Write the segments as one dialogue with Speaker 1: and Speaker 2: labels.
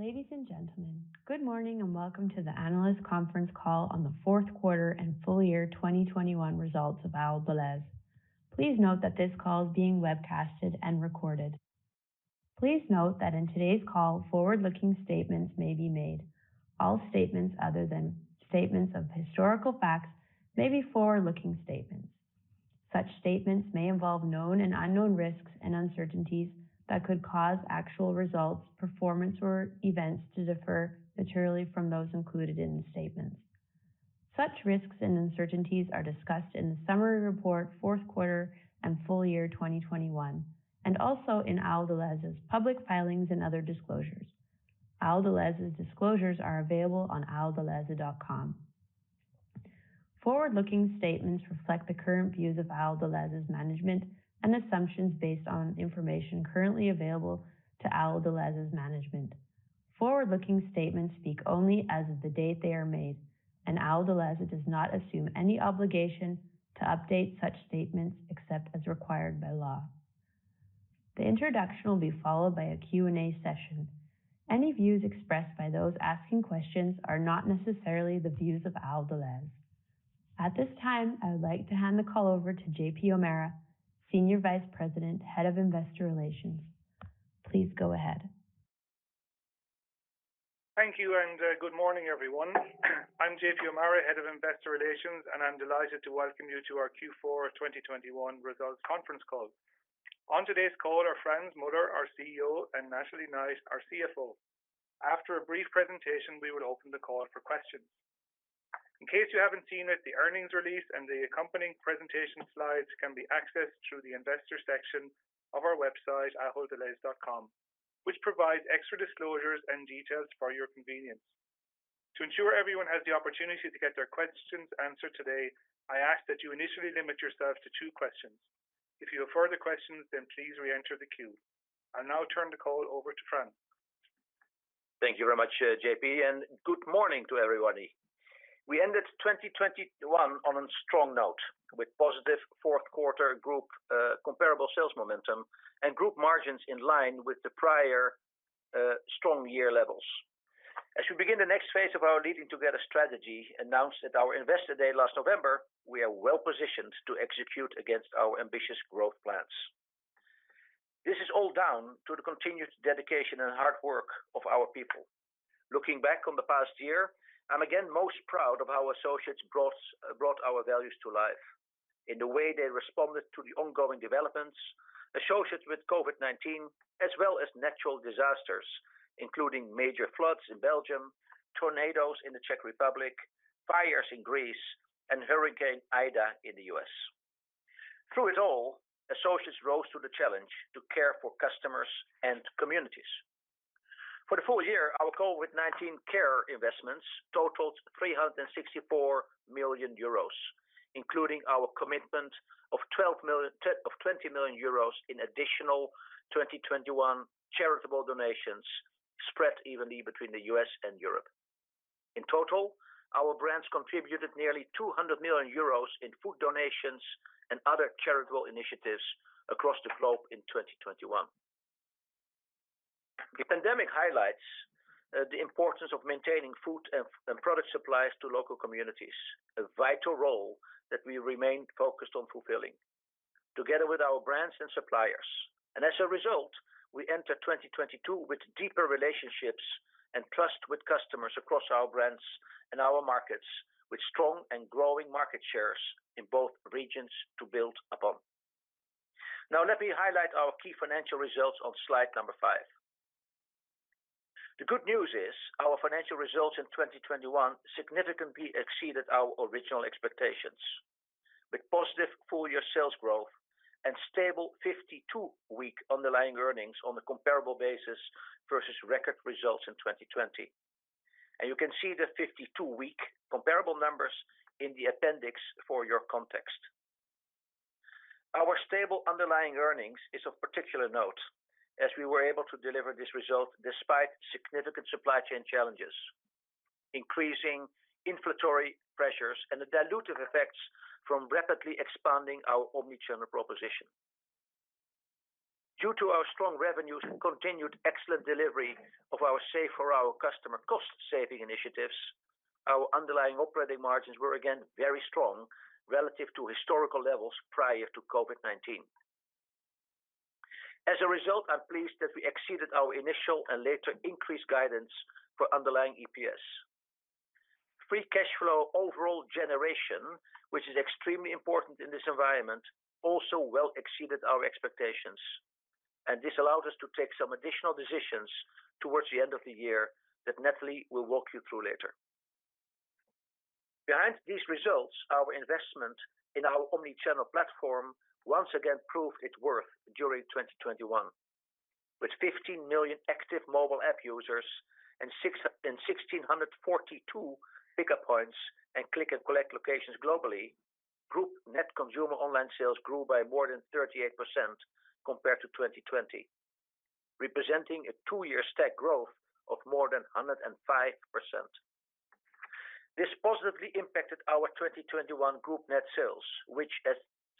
Speaker 1: Ladies and gentlemen, good morning and welcome to the analyst conference call on the fourth quarter and full year 2021 results of Ahold Delhaize. Please note that this call is being webcasted and recorded. Please note that in today's call, forward-looking statements may be made. All statements other than statements of historical facts may be forward-looking statements. Such statements may involve known and unknown risks and uncertainties that could cause actual results, performance, or events to differ materially from those included in the statements. Such risks and uncertainties are discussed in the summary report fourth quarter and full year 2021, and also in Ahold Delhaize's public filings and other disclosures. Ahold Delhaize's disclosures are available on aholddelhaize.com. Forward-looking statements reflect the current views of Ahold Delhaize's management and assumptions based on information currently available to Ahold Delhaize's management. Forward-looking statements speak only as of the date they are made, and Ahold Delhaize does not assume any obligation to update such statements except as required by law. The introduction will be followed by a Q&A session. Any views expressed by those asking questions are not necessarily the views of Ahold Delhaize. At this time, I would like to hand the call over to JP O'Meara, Senior Vice President, Head of Investor Relations. Please go ahead.
Speaker 2: Thank you and good morning, everyone. I'm JP O'Meara, Head of Investor Relations, and I'm delighted to welcome you to our Q4 2021 results conference call. On today's call are Frans Muller, our CEO, and Natalie Knight, our CFO. After a brief presentation, we will open the call for questions. In case you haven't seen it, the earnings release and the accompanying presentation slides can be accessed through the investor section of our website, aholddelhaize.com, which provides extra disclosures and details for your convenience. To ensure everyone has the opportunity to get their questions answered today, I ask that you initially limit yourselves to two questions. If you have further questions, please reenter the queue. I'll now turn the call over to Frans.
Speaker 3: Thank you very much, JP, and good morning to everybody. We ended 2021 on a strong note with positive fourth quarter group comparable sales momentum and group margins in line with the prior strong year levels. As we begin the next phase of our Leading Together strategy announced at our Investor Day last November, we are well-positioned to execute against our ambitious growth plans. This is all down to the continued dedication and hard work of our people. Looking back on the past year, I'm again most proud of how associates brought our values to life in the way they responded to the ongoing developments associated with COVID-19, as well as natural disasters, including major floods in Belgium, tornadoes in the Czech Republic, fires in Greece, and Hurricane Ida in the U.S. Through it all, associates rose to the challenge to care for customers and communities. For the full year, our COVID-19 care investments totaled 364 million euros, including our commitment of 20 million euros in additional 2021 charitable donations spread evenly between the U.S. and Europe. In total, our brands contributed nearly 200 million euros in food donations and other charitable initiatives across the globe in 2021. The pandemic highlights the importance of maintaining food and product supplies to local communities, a vital role that we remain focused on fulfilling together with our brands and suppliers. As a result, we enter 2022 with deeper relationships and trust with customers across our brands and our markets with strong and growing market shares in both regions to build upon. Now let me highlight our key financial results on slide five. The good news is our financial results in 2021 significantly exceeded our original expectations with positive full year sales growth and stable 52-week underlying earnings on a comparable basis versus record results in 2020. You can see the 52-week comparable numbers in the appendix for your context. Our stable underlying earnings is of particular note as we were able to deliver this result despite significant supply chain challenges, increasing inflationary pressures, and the dilutive effects from rapidly expanding our omnichannel proposition. Due to our strong revenues and continued excellent delivery of our Save for Our Customer cost-saving initiatives, our underlying operating margins were again very strong relative to historical levels prior to COVID-19. As a result, I'm pleased that we exceeded our initial and later increased guidance for underlying EPS. Free cash flow overall generation, which is extremely important in this environment, also well exceeded our expectations, and this allowed us to take some additional decisions towards the end of the year that Natalie will walk you through later. Behind these results, our investment in our omnichannel platform once again proved its worth during 2021. With 15 million active mobile app users and 1,642 pickup points and Click and Collect locations globally, group net consumer online sales grew by more than 38% compared to 2020, representing a two-year stack growth of more than 105%. This positively impacted our 2021 group net sales, which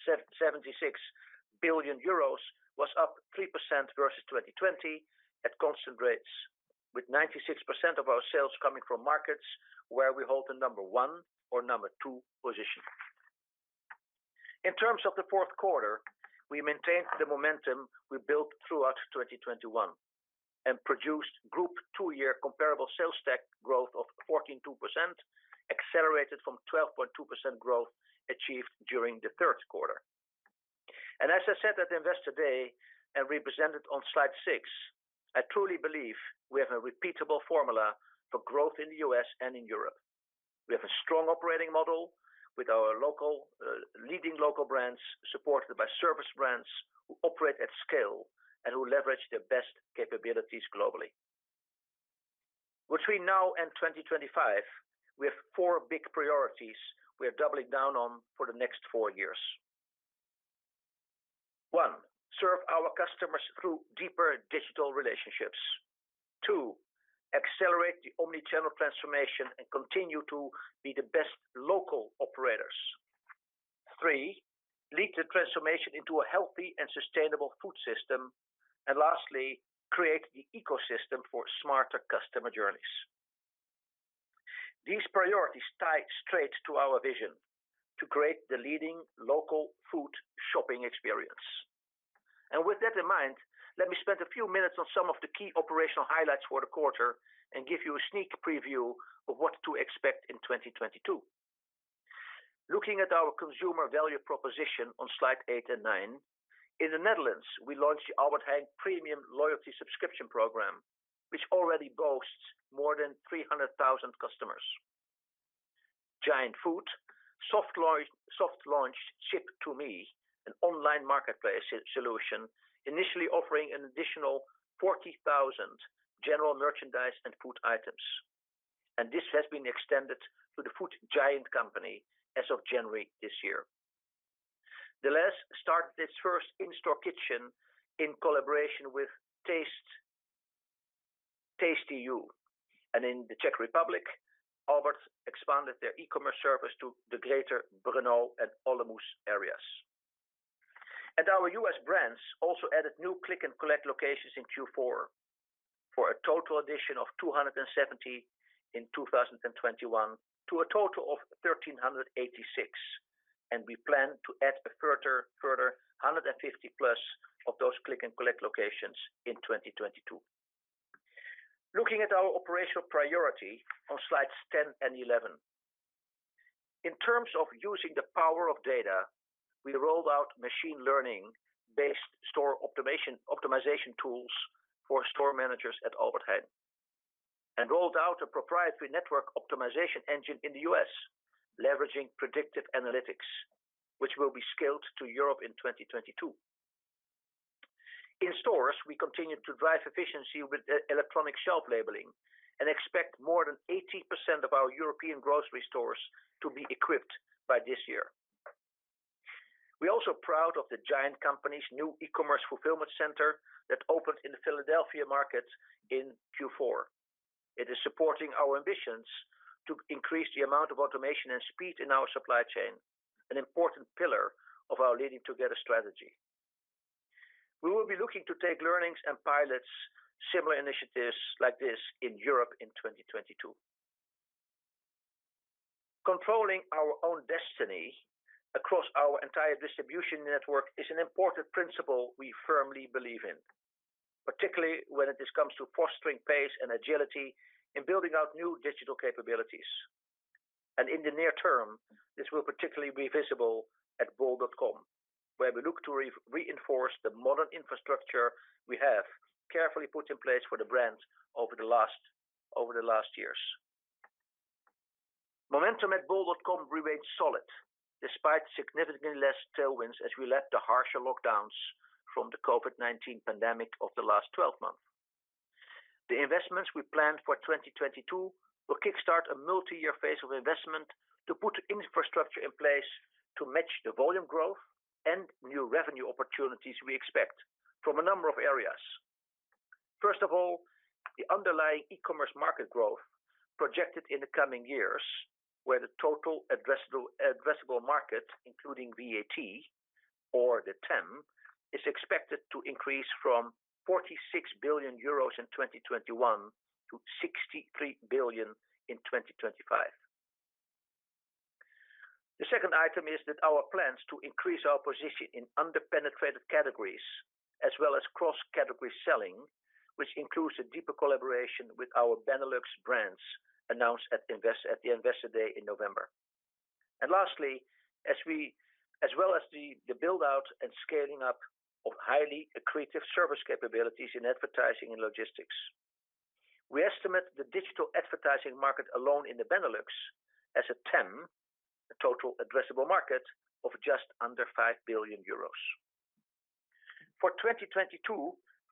Speaker 3: at 76 billion euros was up 3% versus 2020 at constant rates, with 96% of our sales coming from markets where we hold the number one or number two position. In terms of the fourth quarter, we maintained the momentum we built throughout 2021 and produced group two-year comparable sales stack growth of 14.2%, accelerated from 12.2% growth achieved during the third quarter. As I said at Investor Day, and represented on slide six, I truly believe we have a repeatable formula for growth in the U.S. and in Europe. We have a strong operating model with our local, leading local brands, supported by service brands who operate at scale and who leverage their best capabilities globally. Between now and 2025, we have four big priorities we are doubling down on for the next four years. One, serve our customers through deeper digital relationships. Two, accelerate the omni-channel transformation and continue to be the best local operators. Three, lead the transformation into a healthy and sustainable food system. Lastly, create the ecosystem for smarter customer journeys. These priorities tie straight to our vision to create the leading local food shopping experience. With that in mind, let me spend a few minutes on some of the key operational highlights for the quarter and give you a sneak preview of what to expect in 2022. Looking at our consumer value proposition on slide eight and nine, in the Netherlands, we launched the Albert Heijn Premium Loyalty subscription program, which already boasts more than 300,000 customers. Giant Food soft launched Ship2Me, an online marketplace solution, initially offering an additional 40,000 general merchandise and food items, and this has been extended to The Giant Company as of January this year. Delhaize started its first in-store kitchen in collaboration with Tastyoo. In the Czech Republic, Albert expanded their e-commerce service to the greater Brno and Olomouc areas. Our U.S. brands also added new Click and Collect locations in Q4 for a total addition of 270 in 2021 to a total of 1,386, and we plan to add a further 150+ of those Click and Collect locations in 2022. Looking at our operational priority on slides 10 and 11. In terms of using the power of data, we rolled out machine learning-based store optimization tools for store managers at Albert Heijn, and rolled out a proprietary network optimization engine in the U.S., leveraging predictive analytics, which will be scaled to Europe in 2022. In stores, we continue to drive efficiency with Electronic Shelf Labeling and expect more than 80% of our European grocery stores to be equipped by this year. We're also proud of The Giant Company's new e-commerce fulfillment center that opened in the Philadelphia market in Q4. It is supporting our ambitions to increase the amount of automation and speed in our supply chain, an important pillar of our Leading Together strategy. We will be looking to take learnings and pilot similar initiatives like this in Europe in 2022. Controlling our own destiny across our entire distribution network is an important principle we firmly believe in, particularly when it comes to fostering pace and agility in building out new digital capabilities. In the near term, this will particularly be visible at bol.com, where we look to reinforce the modern infrastructure we have carefully put in place for the brand over the last years. Momentum at bol.com remains solid, despite significantly less tailwinds as we left the harsher lockdowns from the COVID-19 pandemic of the last 12 months. The investments we planned for 2022 will kickstart a multi-year phase of investment to put infrastructure in place to match the volume growth and new revenue opportunities we expect from a number of areas. First of all, the underlying e-commerce market growth projected in the coming years, where the total addressable market, including VAT or the TAM, is expected to increase from 46 billion euros in 2021 to 63 billion in 2025. The second item is that our plans to increase our position in under-penetrated categories as well as cross-category selling, which includes a deeper collaboration with our Benelux brands announced at the Investor Day in November. Lastly, as well as the build-out and scaling up of highly accretive service capabilities in advertising and logistics. We estimate the digital advertising market alone in the Benelux as a TAM, a total addressable market, of just under 5 billion euros. For 2022,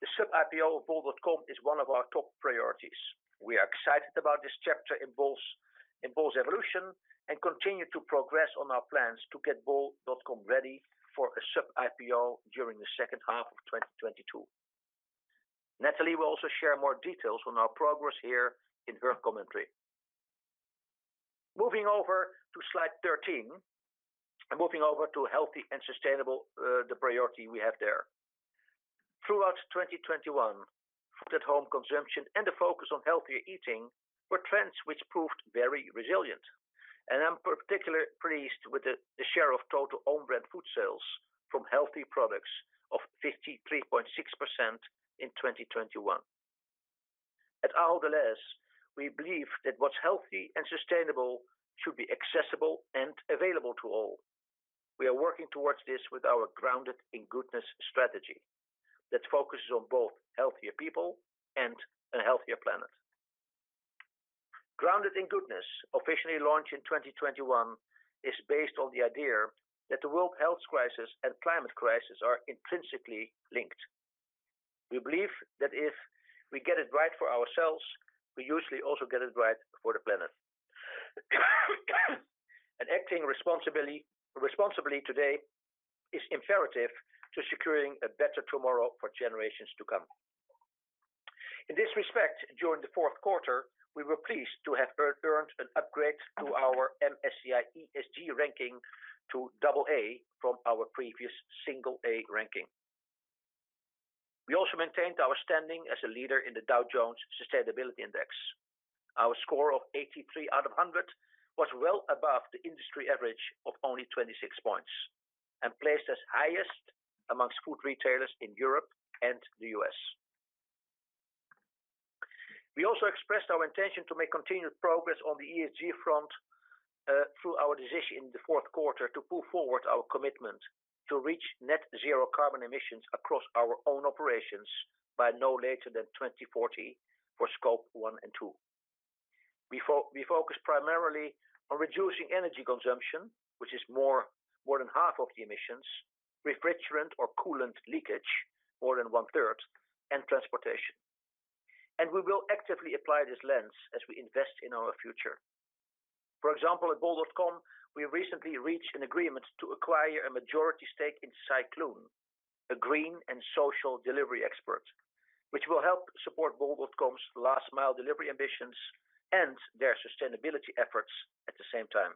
Speaker 3: the sub-IPO of bol.com is one of our top priorities. We are excited about this chapter in bol's evolution and continue to progress on our plans to get bol.com ready for a sub-IPO during the second half of 2022. Natalie will also share more details on our progress here in her commentary. Moving over to slide 13, and moving over to healthy and sustainable, the priority we have there. Throughout 2021, food at home consumption and the focus on healthier eating were trends which proved very resilient, and I'm particularly pleased with the share of total own brand food sales from healthy products of 53.6% in 2021. At Ahold Delhaize, we believe that what's healthy and sustainable should be accessible and available to all. We are working towards this with our Grounded in Goodness strategy that focuses on both healthier people and a healthier planet. Grounded in Goodness, officially launched in 2021, is based on the idea that the world health crisis and climate crisis are intrinsically linked. We believe that if we get it right for ourselves, we usually also get it right for the planet. Acting responsibly today is imperative to securing a better tomorrow for generations to come. In this respect, during the fourth quarter, we were pleased to have earned an upgrade to our MSCI ESG ranking to AA from our previous A ranking. We also maintained our standing as a leader in the Dow Jones Sustainability Index. Our score of 83 out of 100 was well above the industry average of only 26 points and placed us highest among food retailers in Europe and the U.S. We also expressed our intention to make continued progress on the ESG front through our decision in the fourth quarter to pull forward our commitment to reach net zero carbon emissions across our own operations by no later than 2040 for Scope 1 and 2. We focus primarily on reducing energy consumption, which is more than half of the emissions, refrigerant or coolant leakage, more than one-third, and transportation, and we will actively apply this lens as we invest in our future. For example, at bol.com, we recently reached an agreement to acquire a majority stake in Cycloon, a green and social delivery expert, which will help support bol.com's last mile delivery ambitions and their sustainability efforts at the same time.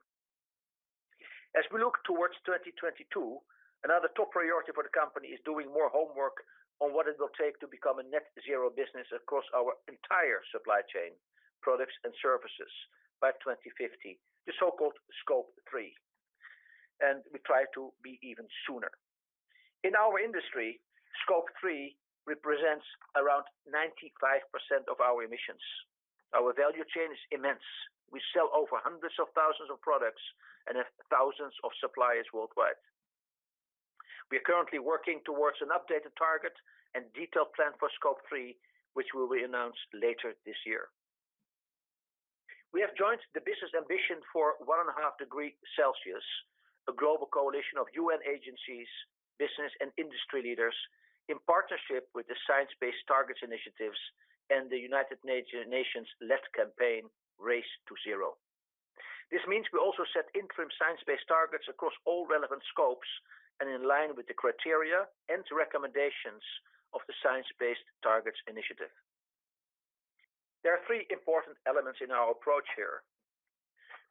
Speaker 3: As we look towards 2022, another top priority for the company is doing more homework on what it will take to become a net zero business across our entire supply chain, products, and services by 2050, the so-called Scope 3, and we try to be even sooner. In our industry, Scope 3 represents around 95% of our emissions. Our value chain is immense. We sell over hundreds of thousands of products and have thousands of suppliers worldwide. We are currently working towards an updated target and detailed plan for Scope 3, which will be announced later this year. We have joined the Business Ambition for 1.5 degrees Celsius, a global coalition of UN agencies, business and industry leaders in partnership with the Science Based Targets initiative and the United Nations-led campaign Race to Zero. This means we also set interim science-based targets across all relevant scopes and in line with the criteria and recommendations of the Science Based Targets initiative. There are three important elements in our approach here.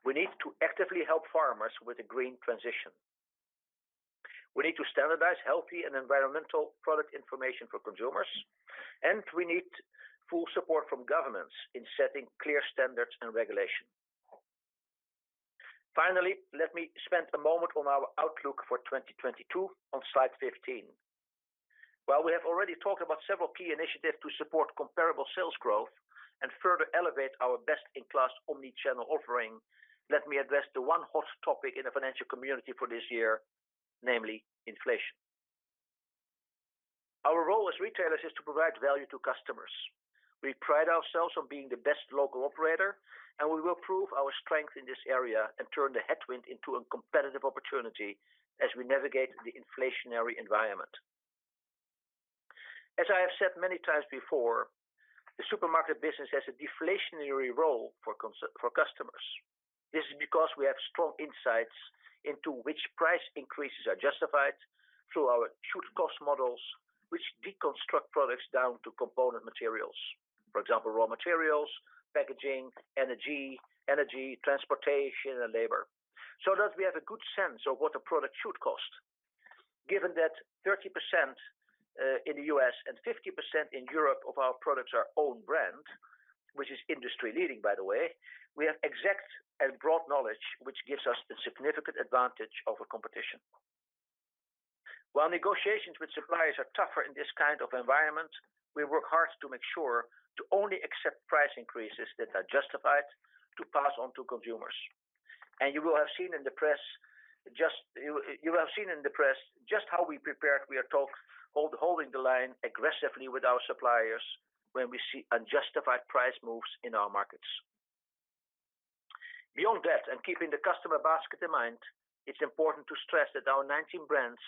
Speaker 3: We need to actively help farmers with the green transition. We need to standardize healthy and environmental product information for consumers, and we need full support from governments in setting clear standards and regulation. Finally, let me spend a moment on our outlook for 2022 on slide 15. While we have already talked about several key initiatives to support comparable sales growth and further elevate our best-in-class omni-channel offering, let me address the one hot topic in the financial community for this year, namely inflation. Our role as retailers is to provide value to customers. We pride ourselves on being the best local operator, and we will prove our strength in this area and turn the headwind into a competitive opportunity as we navigate the inflationary environment. As I have said many times before, the supermarket business has a deflationary role for customers. This is because we have strong insights into which price increases are justified through our should-cost models, which deconstruct products down to component materials. For example, raw materials, packaging, energy, transportation, and labor, so that we have a good sense of what a product should cost. Given that 30% in the U.S. and 50% in Europe of our products are own brand, which is industry-leading, by the way, we have exact and broad knowledge which gives us a significant advantage over competition. While negotiations with suppliers are tougher in this kind of environment, we work hard to make sure to only accept price increases that are justified to pass on to consumers. You will have seen in the press just how prepared we are holding the line aggressively with our suppliers when we see unjustified price moves in our markets. Beyond that, and keeping the customer basket in mind, it's important to stress that our 19 brands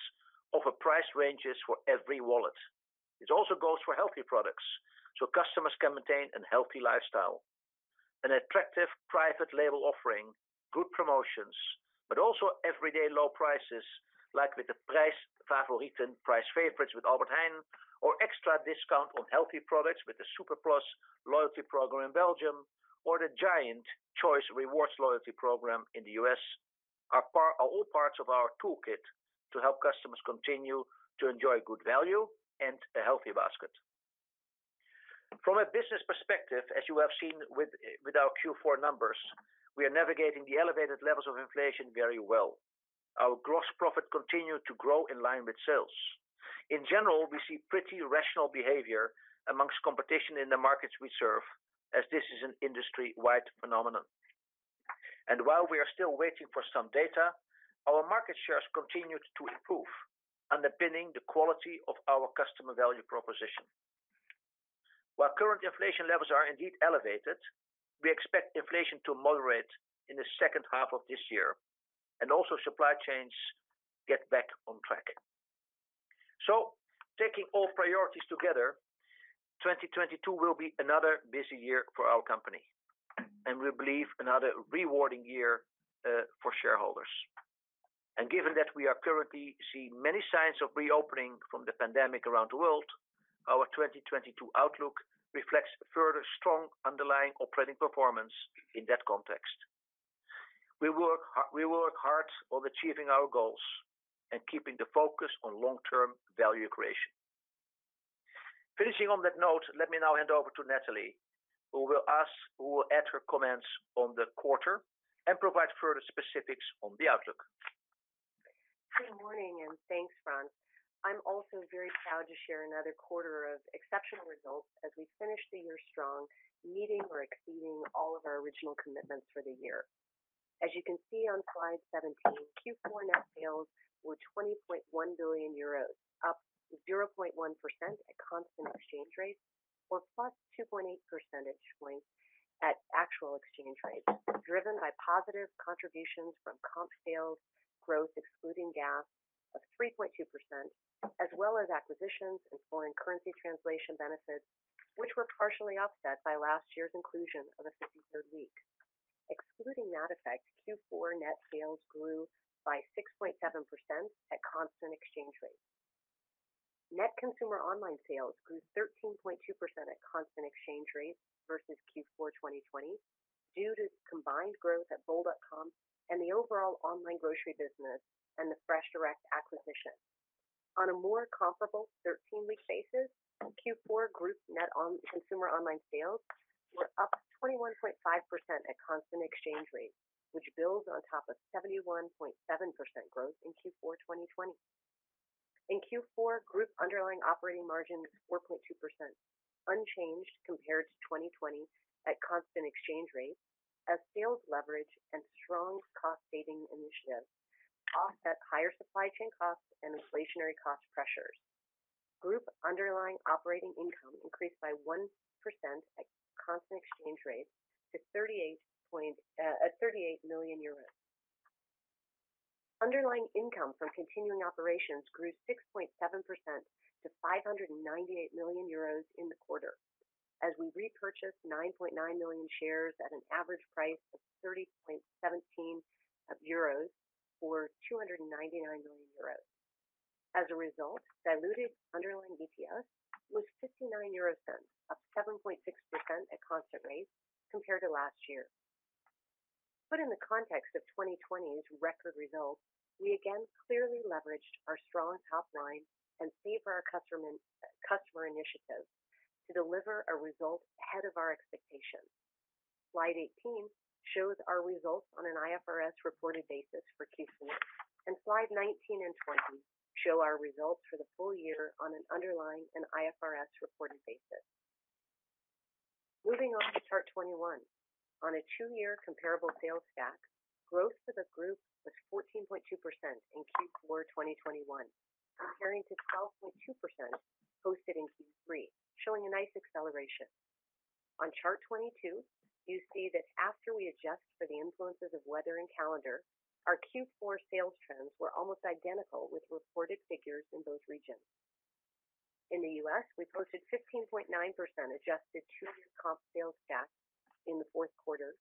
Speaker 3: offer price ranges for every wallet. This also goes for healthy products, so customers can maintain a healthy lifestyle. An attractive private label offering, good promotions, but also everyday low prices, like with the Prijsfavorieten price favorites with Albert Heijn, or extra discount on healthy products with the SuperPlus loyalty program in Belgium, or the Giant Choice Rewards loyalty program in the U.S., are all parts of our toolkit to help customers continue to enjoy good value and a healthy basket. From a business perspective, as you have seen with our Q4 numbers, we are navigating the elevated levels of inflation very well. Our gross profit continued to grow in line with sales. In general, we see pretty rational behavior among competition in the markets we serve, as this is an industry-wide phenomenon. While we are still waiting for some data, our market shares continued to improve, underpinning the quality of our customer value proposition. While current inflation levels are indeed elevated, we expect inflation to moderate in the second half of this year, and also supply chains get back on track. Taking all priorities together, 2022 will be another busy year for our company, and we believe another rewarding year for shareholders. Given that we are currently seeing many signs of reopening from the pandemic around the world, our 2022 outlook reflects further strong underlying operating performance in that context. We work hard on achieving our goals and keeping the focus on long-term value creation. Finishing on that note, let me now hand over to Natalie, who will add her comments on the quarter and provide further specifics on the outlook.
Speaker 4: Good morning, and thanks, Frans. I'm also very proud to share another quarter of exceptional results as we finish the year strong, meeting or exceeding all of our original commitments for the year. As you can see on slide 17, Q4 net sales were 20.1 billion euros, up 0.1% at constant exchange rates or +2.8 percentage points at actual exchange rates, driven by positive contributions from comp sales growth excluding gas of 3.2%, as well as acquisitions and foreign currency translation benefits, which were partially offset by last year's inclusion of a 53rd week. Excluding that effect, Q4 net sales grew by 6.7% at constant exchange rates. Net consumer online sales grew 13.2% at constant exchange rates versus Q4 2020 due to combined growth at bol.com and the overall online grocery business and the FreshDirect acquisition. On a more comparable 13-week basis, Q4 group net consumer online sales were up 21.5% at constant exchange rates, which builds on top of 71.7% growth in Q4 2020. In Q4, group underlying operating margins were 0.2%, unchanged compared to 2020 at constant exchange rates as sales leverage and strong cost-saving initiatives offset higher supply chain costs and inflationary cost pressures. Group underlying operating income increased by 1% at constant exchange rates to 38 million euros. Underlying income from continuing operations grew 6.7% to 598 million euros in the quarter as we repurchased 9.9 million shares at an average price of 30.17 euros for 299 million euros. As a result, diluted underlying EPS was 0.59, up 7.6% at constant rates compared to last year. Put in the context of 2020's record results, we again clearly leveraged our strong top line and Save for Our Customer initiatives to deliver a result ahead of our expectations. Slide 18 shows our results on an IFRS reported basis for Q4, and Slide 19 and 20 show our results for the full year on an underlying and IFRS reported basis. Moving on to chart 21, on a two-year comparable sales stack, growth for the group was 14.2% in Q4 2021, comparing to 12.2% posted in Q3, showing a nice acceleration. On chart 22, you see that after we adjust for the influences of weather and calendar, our Q4 sales trends were almost identical with reported figures in those regions. In the U.S., we posted 15.9% adjusted two-year comp sales stack in the fourth quarter,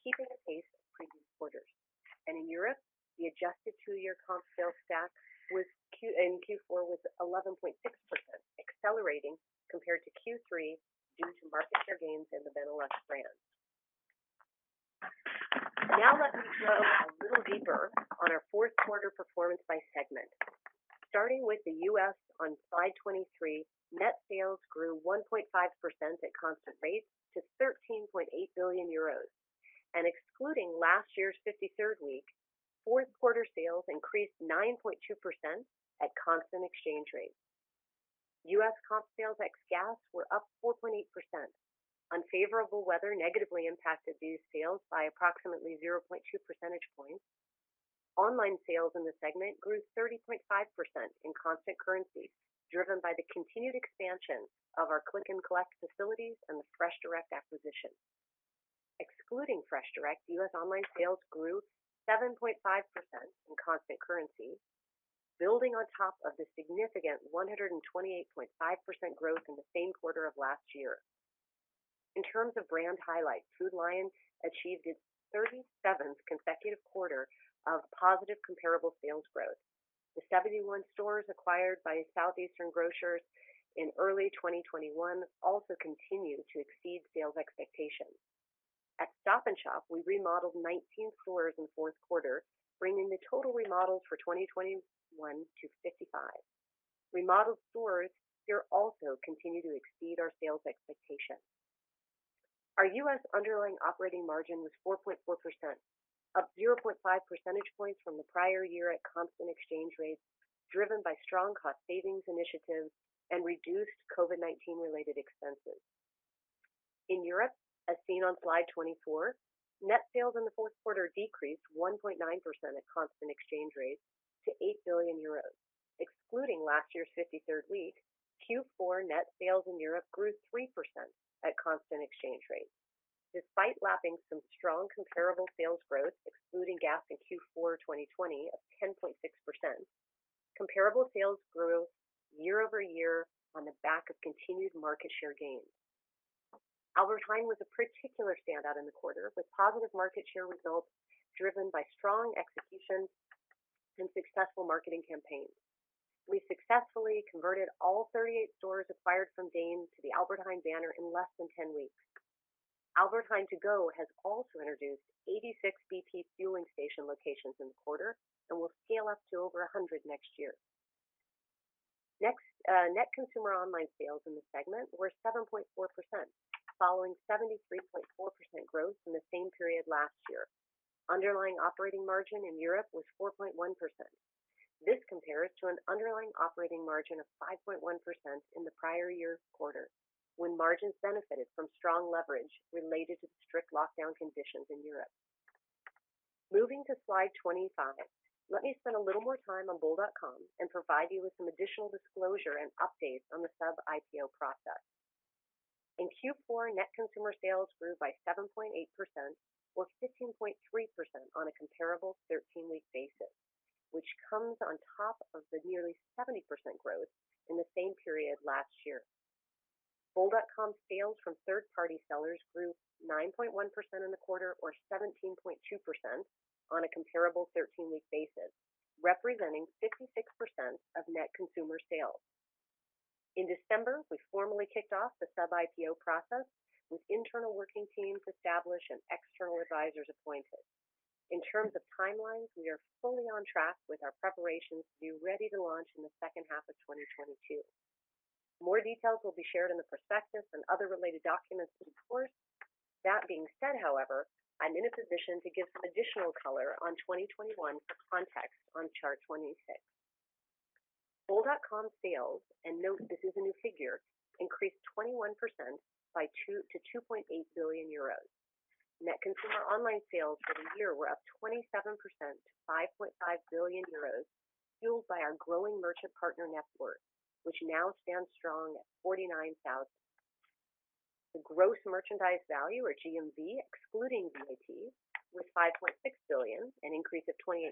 Speaker 4: keeping pace with previous quarters. In Europe, the adjusted two-year comp sales stack in Q4 was 11.6%, accelerating compared to Q3 due to market share gains in the Benelux brands. Now let me dive a little deeper on our fourth quarter performance by segment. Starting with the U.S. on slide 23, net sales grew 1.5% at constant rates to 13.8 billion euros. Excluding last year's 53rd week, fourth quarter sales increased 9.2% at constant exchange rates. U.S. comp sales ex gas were up 4.8%. Unfavorable weather negatively impacted these sales by approximately 0.2 percentage points. Online sales in the segment grew 30.5% in constant currencies, driven by the continued expansion of our Click and Collect facilities and the FreshDirect acquisition. Excluding FreshDirect, U.S. online sales grew 7.5% in constant currencies. Building on top of the significant 128.5% growth in the same quarter of last year. In terms of brand highlights, Food Lion achieved its 37th consecutive quarter of positive comparable sales growth. The 71 stores acquired by Southeastern Grocers in early 2021 also continue to exceed sales expectations. At Stop & Shop, we remodeled 19 stores in fourth quarter, bringing the total remodels for 2021 to 55. Remodeled stores here also continue to exceed our sales expectations. Our U.S. underlying operating margin was 4.4%, up 0.5 percentage points from the prior year at constant exchange rates, driven by strong cost savings initiatives and reduced COVID-19 related expenses. In Europe, as seen on slide 24, net sales in the fourth quarter decreased 1.9% at constant exchange rates to 8 billion euros. Excluding last year's 53rd week, Q4 net sales in Europe grew 3% at constant exchange rates. Despite lapping some strong comparable sales growth, excluding gas in Q4 2020 of 10.6%, comparable sales grew year-over-year on the back of continued market share gains. Albert Heijn was a particular standout in the quarter, with positive market share results driven by strong execution and successful marketing campaigns. We successfully converted all 38 stores acquired from DEEN to the Albert Heijn banner in less than 10 weeks. Albert Heijn to go has also introduced 86 BP fueling station locations in the quarter and will scale up to over 100 next year. Next, net consumer online sales in the segment were 7.4%, following 73.4% growth in the same period last year. Underlying operating margin in Europe was 4.1%. This compares to an underlying operating margin of 5.1% in the prior year quarter, when margins benefited from strong leverage related to the strict lockdown conditions in Europe. Moving to slide 25, let me spend a little more time on bol.com and provide you with some additional disclosure and updates on the sub-IPO process. In Q4, net consumer sales grew by 7.8% or 15.3% on a comparable 13-week basis, which comes on top of the nearly 70% growth in the same period last year. Bol.com sales from third-party sellers grew 9.1% in the quarter or 17.2% on a comparable 13-week basis, representing 56% of net consumer sales. In December, we formally kicked off the sub-IPO process with internal working teams established and external advisors appointed. In terms of timelines, we are fully on track with our preparations to be ready to launch in the second half of 2022. More details will be shared in the prospectus and other related documents in due course. That being said, however, I'm in a position to give some additional color on 2021 context on chart 26. Bol.com sales, and note this is a new figure, increased 21% to 2.8 billion euros. Net consumer online sales for the year were up 27% to 5.5 billion euros, fueled by our growing merchant partner network, which now stands strong at 49,000. The gross merchandise value or GMV, excluding VAT, was 5.6 billion, an increase of 28%,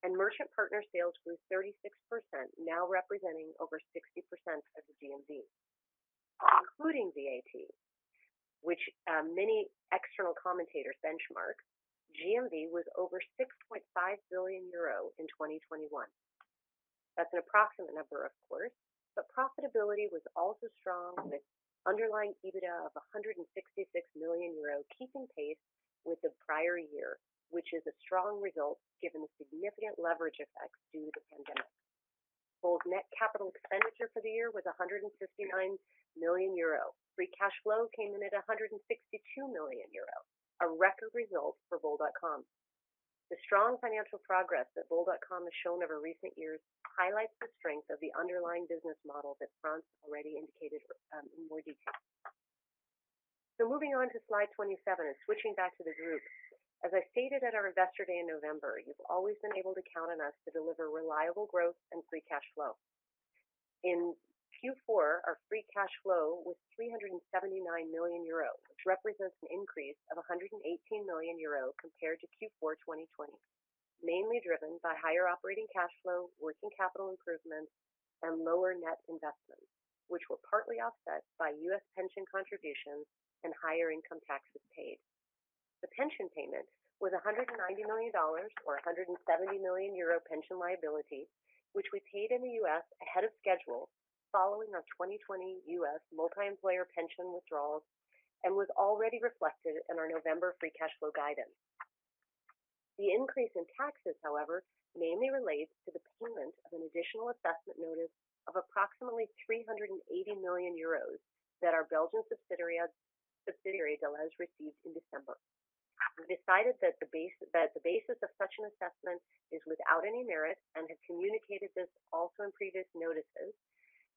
Speaker 4: and merchant partner sales grew 36%, now representing over 60% of the GMV. Including VAT, which many external commentators benchmark, GMV was over 6.5 billion euro in 2021. That's an approximate number, of course, but profitability was also strong with underlying EBITDA of 166 million euros, keeping pace with the prior year, which is a strong result given the significant leverage effects due to the pandemic. Bol's net capital expenditure for the year was 159 million euro. Free cash flow came in at 162 million euro, a record result for bol.com. The strong financial progress that bol.com has shown over recent years highlights the strength of the underlying business model that Frans already indicated in more detail. Moving on to slide 27 and switching back to the group. As I stated at our Investor Day in November, you've always been able to count on us to deliver reliable growth and free cash flow. In Q4, our free cash flow was 379 million euro, which represents an increase of 118 million euro compared to Q4 2020, mainly driven by higher operating cash flow, working capital improvements, and lower net investments, which were partly offset by U.S. pension contributions and higher income taxes paid. The pension payment was $190 million or 170 million euro pension liability, which we paid in the U.S. ahead of schedule following our 2020 U.S. multi-employer pension withdrawals and was already reflected in our November free cash flow guidance. The increase in taxes, however, mainly relates to the payment of an additional assessment notice of approximately 380 million euros that our Belgian subsidiary Delhaize received in December. We've decided that the basis of such an assessment is without any merit and have communicated this also in previous notices.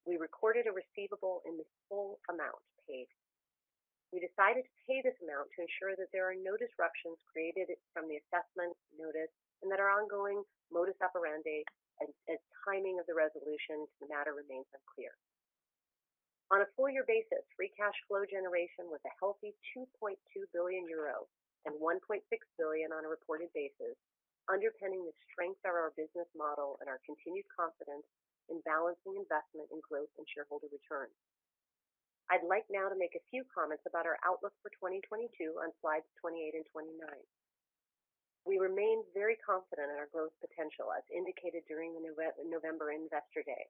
Speaker 4: We recorded a receivable in this full amount paid. We decided to pay this amount to ensure that there are no disruptions created from the assessment notice and that our ongoing modus operandi and timing of the resolution to the matter remains unclear. On a full year basis, free cash flow generation was a healthy 2.2 billion euro and 1.6 billion on a reported basis, underpinning the strength of our business model and our continued confidence in balancing investment in growth and shareholder return. I'd like now to make a few comments about our outlook for 2022 on slides 28 and 29. We remain very confident in our growth potential as indicated during the November Investor Day,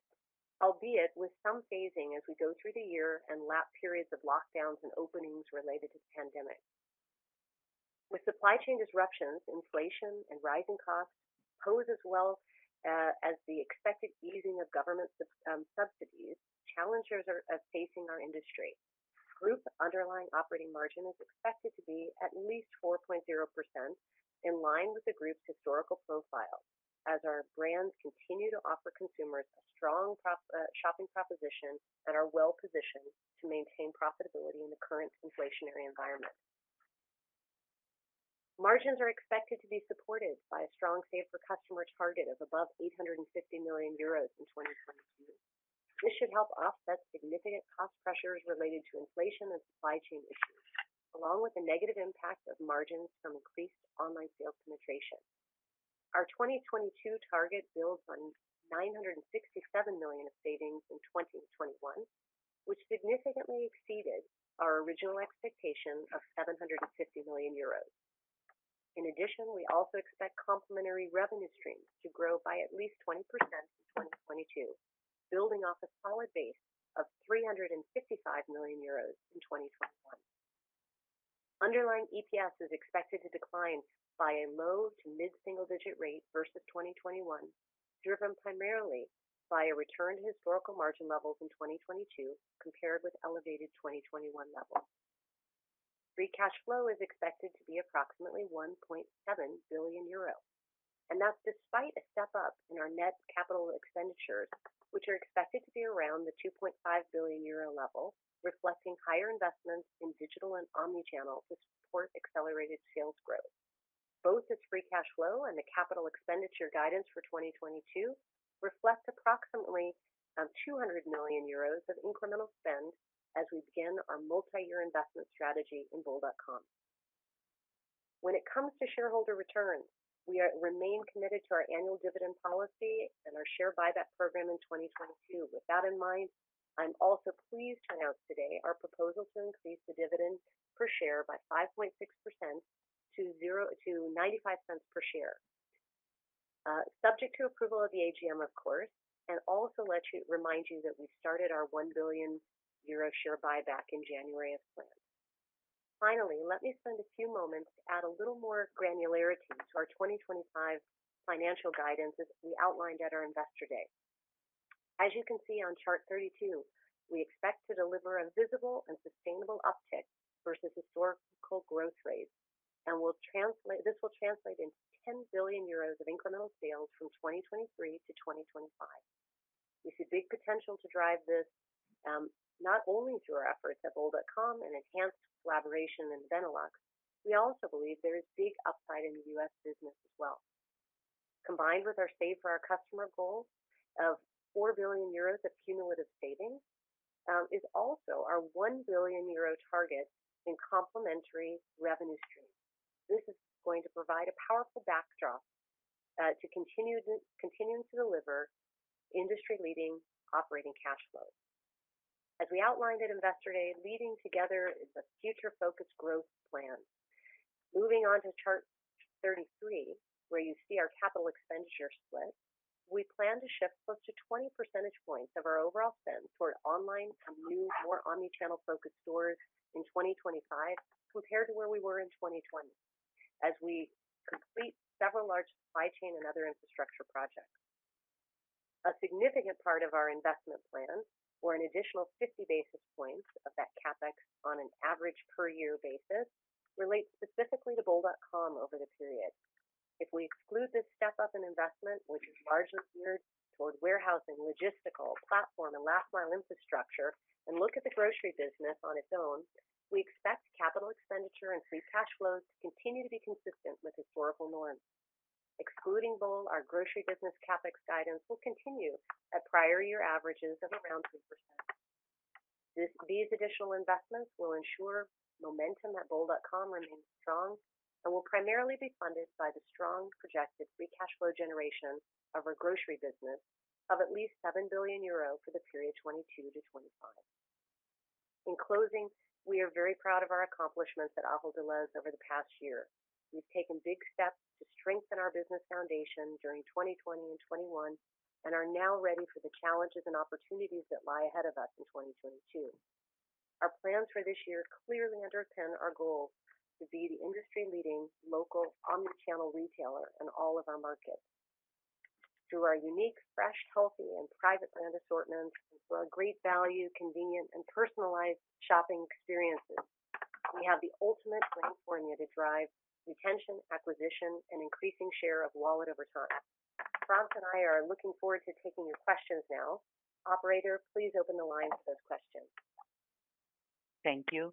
Speaker 4: albeit with some phasing as we go through the year and lapped periods of lockdowns and openings related to the pandemic. With supply chain disruptions, inflation and rising costs pose as well as the expected easing of government subsidies, challenges are facing our industry. Group underlying operating margin is expected to be at least 4.0% in line with the group's historical profile as our brands continue to offer consumers a strong shopping proposition and are well positioned to maintain profitability in the current inflationary environment. Margins are expected to be supported by a strong Save for Customer target of above 850 million euros in 2022. This should help offset significant cost pressures related to inflation and supply chain issues, along with the negative impact of margins from increased online sales penetration. Our 2022 target builds on 967 million of savings in 2021, which significantly exceeded our original expectation of 750 million euros. In addition, we also expect complementary revenue streams to grow by at least 20% in 2022, building off a solid base of 355 million euros in 2021. Underlying EPS is expected to decline by a low- to mid-single-digit rate versus 2021, driven primarily by a return to historical margin levels in 2022, compared with elevated 2021 levels. Free cash flow is expected to be approximately 1.7 billion euro, and that's despite a step up in our net capital expenditures, which are expected to be around the 2.5 billion euro level, reflecting higher investments in digital and omnichannel to support accelerated sales growth. Both its free cash flow and the capital expenditure guidance for 2022 reflect approximately 200 million euros of incremental spend as we begin our multi-year investment strategy in bol.com. When it comes to shareholder returns, we remain committed to our annual dividend policy and our share buyback program in 2022. With that in mind, I'm also pleased to announce today our proposal to increase the dividend per share by 5.6% to 0.95 per share, subject to approval of the AGM of course, and also remind you that we started our 1 billion euro share buyback in January as planned. Finally, let me spend a few moments to add a little more granularity to our 2025 financial guidance as we outlined at our Investor Day. As you can see on chart 32, we expect to deliver a visible and sustainable uptick versus historical growth rates, and this will translate into 10 billion euros of incremental sales from 2023 to 2025. We see big potential to drive this, not only through our efforts at bol.com and enhanced collaboration in Benelux, we also believe there is big upside in the U.S. business as well. Combined with our Save for Our Customer goals of 4 billion euros of cumulative savings, is also our 1 billion euro target in complementary revenue streams. This is going to provide a powerful backdrop to continuing to deliver industry-leading operating cash flows. As we outlined at Investor Day, Leading Together is a future-focused growth plan. Moving on to chart 33, where you see our capital expenditure split, we plan to shift close to 20 percentage points of our overall spend toward online and new, more omnichannel-focused stores in 2025 compared to where we were in 2020 as we complete several large supply chain and other infrastructure projects. A significant part of our investment plan, or an additional 50 basis points of that CapEx on an average per year basis, relates specifically to bol.com over the period. If we exclude this step up in investment, which is largely geared towards warehousing, logistical platform, and last mile infrastructure, and look at the grocery business on its own, we expect capital expenditure and free cash flows to continue to be consistent with historical norms. Excluding bol, our grocery business CapEx guidance will continue at prior year averages of around 2%. These additional investments will ensure momentum at bol.com remains strong and will primarily be funded by the strong projected free cash flow generation of our grocery business of at least 7 billion euro for the period 2022-2025. In closing, we are very proud of our accomplishments at Ahold Delhaize over the past year. We've taken big steps to strengthen our business foundation during 2020 and 2021, and are now ready for the challenges and opportunities that lie ahead of us in 2022. Our plans for this year clearly underpin our goals to be the industry leading local omnichannel retailer in all of our markets. Through our unique, fresh, healthy, and private label assortments, through our great value, convenient, and personalized shopping experiences, we have the ultimate brand formula to drive retention, acquisition, and increasing share of wallet over time. Frans and I are looking forward to taking your questions now. Operator, please open the line for those questions.
Speaker 1: Thank you.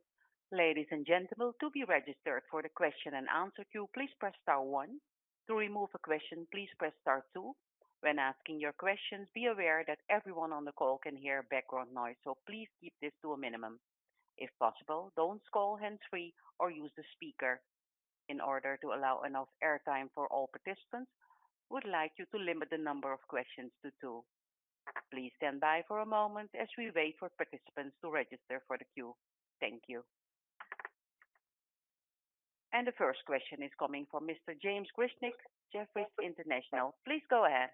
Speaker 1: Ladies and gentlemen, to be registered for the question and answer queue, please press star one. To remove a question, please press star two. When asking your questions, be aware that everyone on the call can hear background noise, so please keep this to a minimum. If possible, don't call hands-free or use the speaker. In order to allow enough air time for all participants, we'd like you to limit the number of questions to two. Please stand by for a moment as we wait for participants to register for the queue. Thank you. The first question is coming from Mr. James Grzinic, Jefferies International. Please go ahead.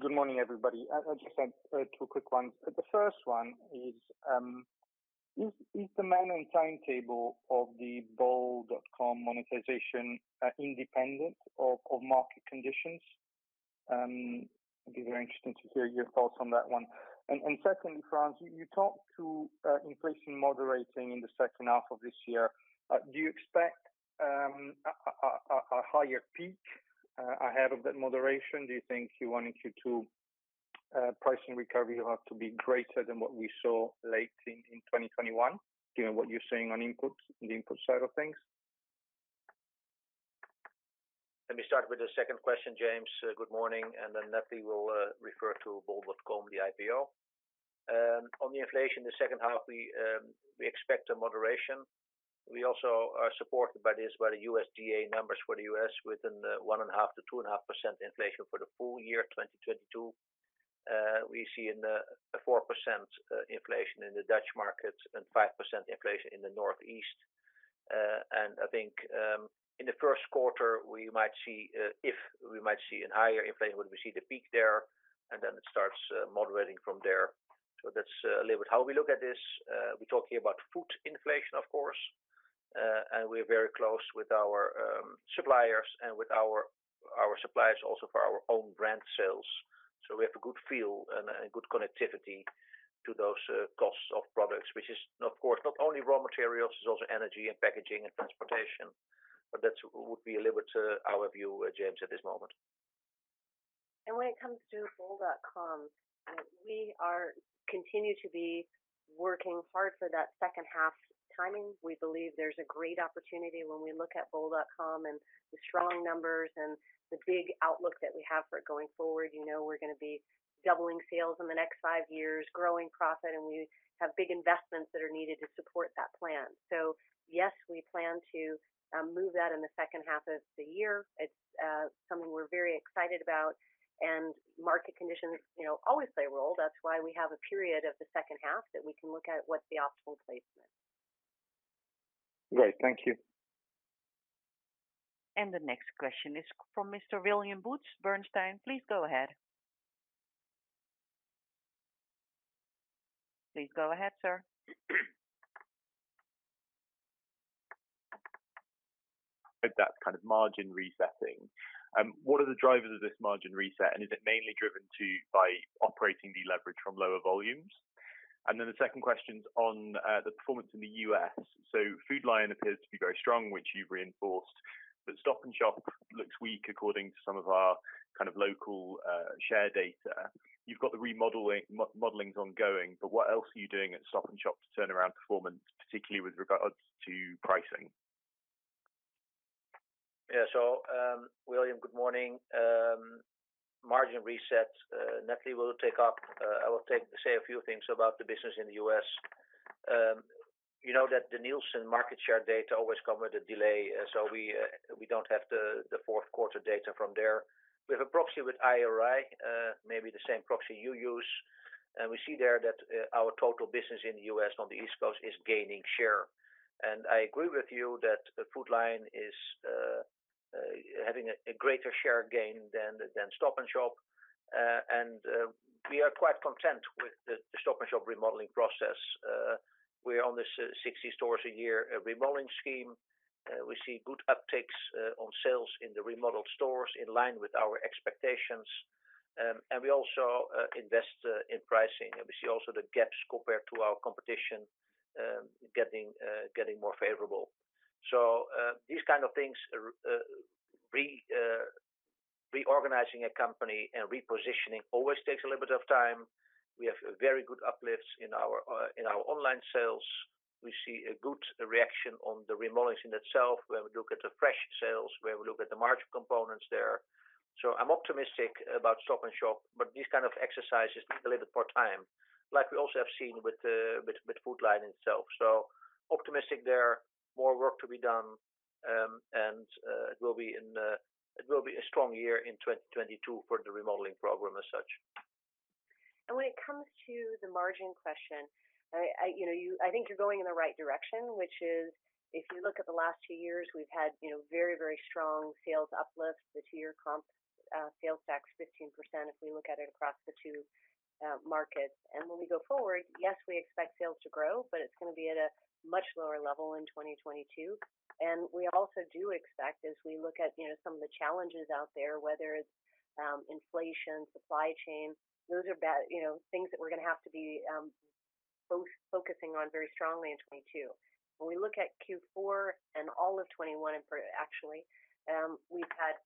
Speaker 5: Good morning, everybody. I just have two quick ones. The first one is the main timetable of the bol.com monetization independent of market conditions? It'd be very interesting to hear your thoughts on that one. Secondly, Frans, you talked about inflation moderating in the second half of this year. Do you expect a higher peak ahead of that moderation? Do you think Q1 and Q2 pricing recovery will have to be greater than what we saw late in 2021, given what you're seeing on inputs, the input side of things?
Speaker 3: Let me start with the second question, James. Good morning, and then Natalie will refer to bol.com, the IPO. On the inflation, in the second half we expect a moderation. We also are supported by this, by the USDA numbers for the U.S. within the 1.5%-2.5% inflation for the full year 2022. We see 4% inflation in the Dutch markets and 5% inflation in the Northeast. I think in the first quarter we might see a higher inflation, the peak there, and then it starts moderating from there. That's a little bit how we look at this. We're talking about food inflation, of course, and we're very close with our suppliers and with our suppliers also for our own brand sales. We have a good feel and good connectivity to those costs of products, which is of course not only raw materials, it's also energy and packaging and transportation. That would be a little bit our view, James, at this moment.
Speaker 4: When it comes to bol.com, we continue to be working hard for that second half timing. We believe there's a great opportunity when we look at bol.com and the strong numbers and the big outlook that we have for it going forward. You know, we're going to be doubling sales in the next five years, growing profit, and we have big investments that are needed to support that plan. So yes, we plan to move that in the second half of the year. It's something we're very excited about. Market conditions, you know, always play a role. That's why we have a period of the second half that we can look at what the optimal placement.
Speaker 5: Great. Thank you.
Speaker 1: The next question is from Mr. William Woods, Bernstein. Please go ahead, sir.
Speaker 6: That's kind of margin resetting. What are the drivers of this margin reset? Is it mainly driven by operating leverage from lower volumes? The second question's on the performance in the U.S. Food Lion appears to be very strong, which you've reinforced, but Stop & Shop looks weak according to some of our kind of local share data. You've got the remodeling's ongoing, but what else are you doing at Stop & Shop to turn around performance, particularly with regards to pricing?
Speaker 3: William, good morning. Margin reset, Natalie will take up. I will say a few things about the business in the U.S. You know that the Nielsen market share data always come with a delay, so we don't have the fourth quarter data from there. We have a proxy with IRI, maybe the same proxy you use. We see there that our total business in the U.S. on the East Coast is gaining share. I agree with you that Food Lion is having a greater share gain than Stop & Shop. We are quite content with the Stop & Shop remodeling process. We're on this 60 stores a year remodeling scheme. We see good upticks on sales in the remodeled stores in line with our expectations. We also invest in pricing. We see also the gaps compared to our competition getting more favorable. These kind of things, reorganizing a company and repositioning, always takes a little bit of time. We have very good uplifts in our online sales. We see a good reaction on the remodeling itself, where we look at the fresh sales, where we look at the margin components there. I'm optimistic about Stop & Shop, but these kind of exercises take a little bit more time, like we also have seen with Food Lion itself. Optimistic there. More work to be done. It will be a strong year in 2022 for the remodeling program as such.
Speaker 4: When it comes to the margin question, you know, I think you're going in the right direction, which is if you look at the last two years, we've had, you know, very, very strong sales uplifts. The two-year comp sales at 15% if we look at it across the two markets. When we go forward, yes, we expect sales to grow, but it's going to be at a much lower level in 2022. We also do expect as we look at, you know, some of the challenges out there, whether it's inflation, supply chain, those are, you know, things that we're going to have to be focusing on very strongly in 2022. When we look at Q4 and all of 2021, in part actually, we've had